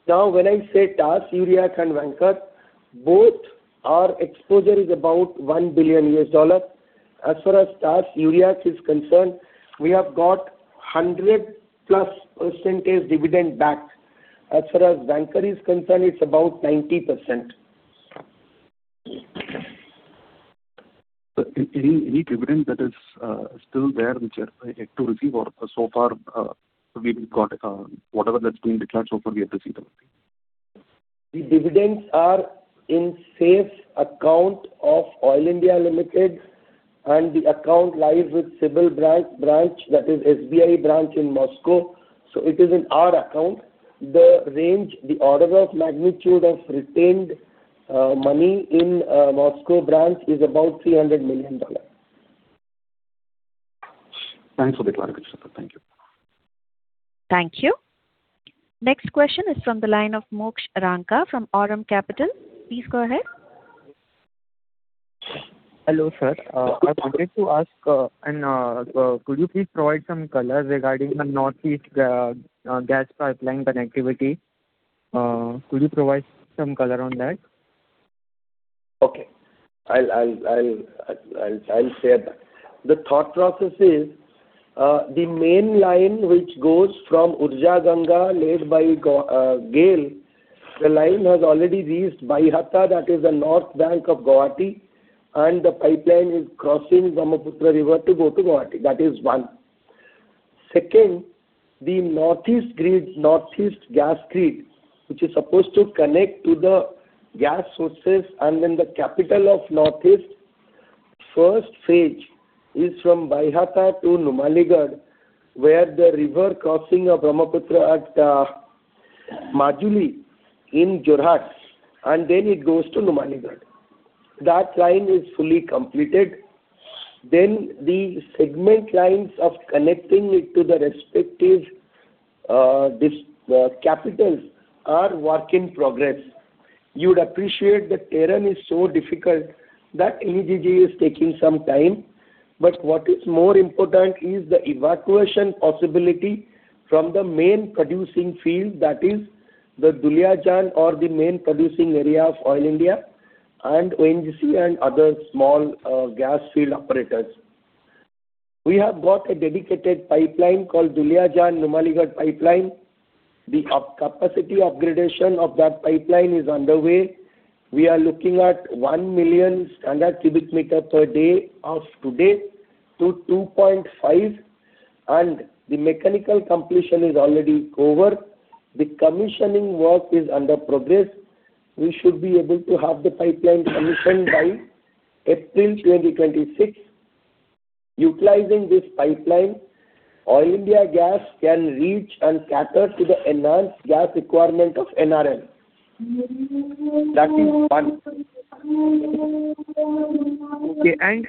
Now, when I say Taas-Yuryakh and Vankor, both our exposure is about $1 billion. As far as Taas-Yuryakh is concerned, we have got 100%+ dividend back. As far as Vankor is concerned, it's about 90%. Any dividend that is still there, which I have to receive, or so far, we've got whatever that's been declared so far, we have received them. The dividends are in safe account of Oil India Limited, and the account lies with CIBL, branch, that is SBI branch in Moscow, so it is in our account. The range, the order of magnitude of retained money in Moscow branch is about $300 million. Thanks for the clarification, sir. Thank you. Thank you. Next question is from the line of Moksh Ranka from Aurum Capital. Please go ahead. Hello, sir. I wanted to ask, could you please provide some color regarding the Northeast gas pipeline connectivity? Could you provide some color on that? Okay. I'll share that. The thought process is, the main line which goes from Urja Ganga, laid by GAIL, the line has already reached Baihata, that is the north bank of Guwahati, and the pipeline is crossing Brahmaputra River to go to Guwahati. That is one. Second, the Northeast Grid, Northeast Gas Grid, which is supposed to connect to the gas sources and then the capitals of Northeast, first phase is from Baihata to Numaligarh, where the river crossing of Brahmaputra at Majuli in Jorhat, and then it goes to Numaligarh. That line is fully completed. Then the segment lines of connecting it to the respective capitals are work in progress. You would appreciate the terrain is so difficult that IGGL is taking some time, but what is more important is the evacuation possibility from the main producing field, that is the Duliajan or the main producing area of Oil India and ONGC and other small gas field operators. We have got a dedicated pipeline called Duliajan-Numaligarh Pipeline. The up, capacity upgradation of that pipeline is underway. We are looking at 1 million standard cubic meter per day as of today, to 2.5, and the mechanical completion is already over. The commissioning work is under progress. We should be able to have the pipeline commissioned by April 2026. Utilizing this pipeline, Oil India Gas can reach and cater to the enhanced gas requirement of NRL. That is one. Okay, and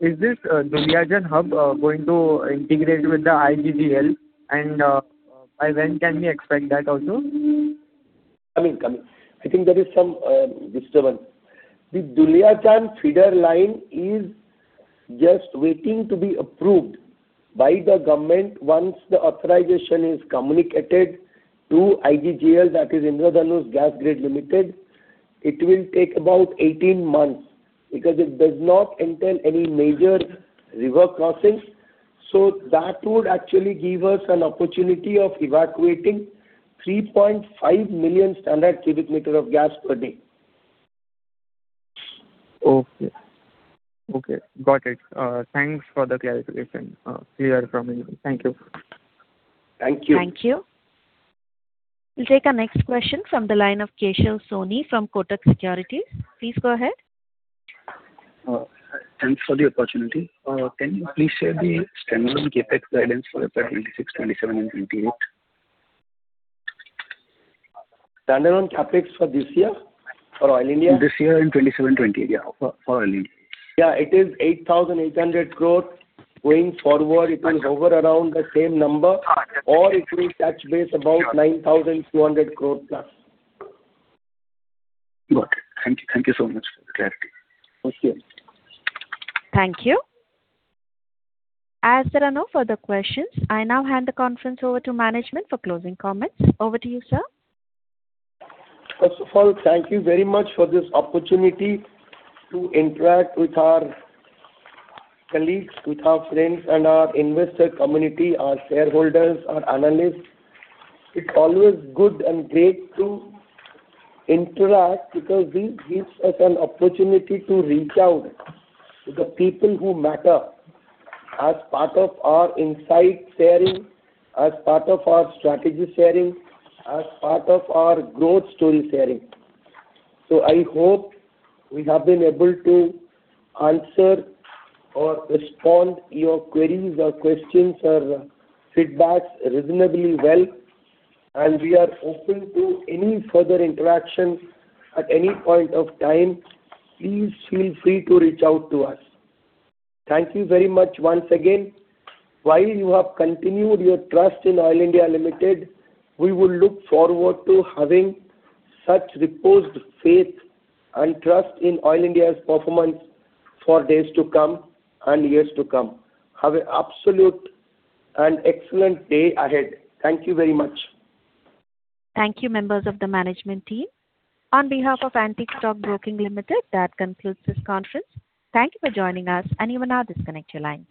is this Duliajan hub going to integrate with the IGGL, and by when can we expect that also? Coming, coming. I think there is some disturbance. The Duliajan feeder line is just waiting to be approved by the government. Once the authorization is communicated to IGGL, that is Indradhanush Gas Grid Limited, it will take about 18 months, because it does not entail any major river crossings. So that would actually give us an opportunity of evacuating 3.5 million standard cubic meter of gas per day. Okay. Okay, got it. Thanks for the clarification, clear from me. Thank you. Thank you. Thank you. We'll take our next question from the line of Keshav Soni from Kotak Securities. Please go ahead. Thanks for the opportunity. Can you please share the standalone CapEx guidance for 2026, 2027 and 2028? Standalone CapEx for this year, for Oil India? This year and 2027, 2028, yeah, for Oil India. Yeah, it is 8,800 crore. Going forward, it will hover around the same number, or it will touch base about 9,200+ crore. Got it. Thank you. Thank you so much for the clarity. Okay. Thank you. As there are no further questions, I now hand the conference over to management for closing comments. Over to you, sir. First of all, thank you very much for this opportunity to interact with our colleagues, with our friends and our investor community, our shareholders, our analysts. It's always good and great to interact, because this gives us an opportunity to reach out to the people who matter as part of our insight sharing, as part of our strategy sharing, as part of our growth story sharing. So I hope we have been able to answer or respond your queries or questions or feedbacks reasonably well, and we are open to any further interactions at any point of time. Please feel free to reach out to us. Thank you very much once again. While you have continued your trust in Oil India Limited, we will look forward to having such reposed faith and trust in Oil India's performance for days to come and years to come. Have an absolute and excellent day ahead. Thank you very much. Thank you, members of the management team. On behalf of Antique Stock Broking Limited, that concludes this conference. Thank you for joining us, and you may now disconnect your lines.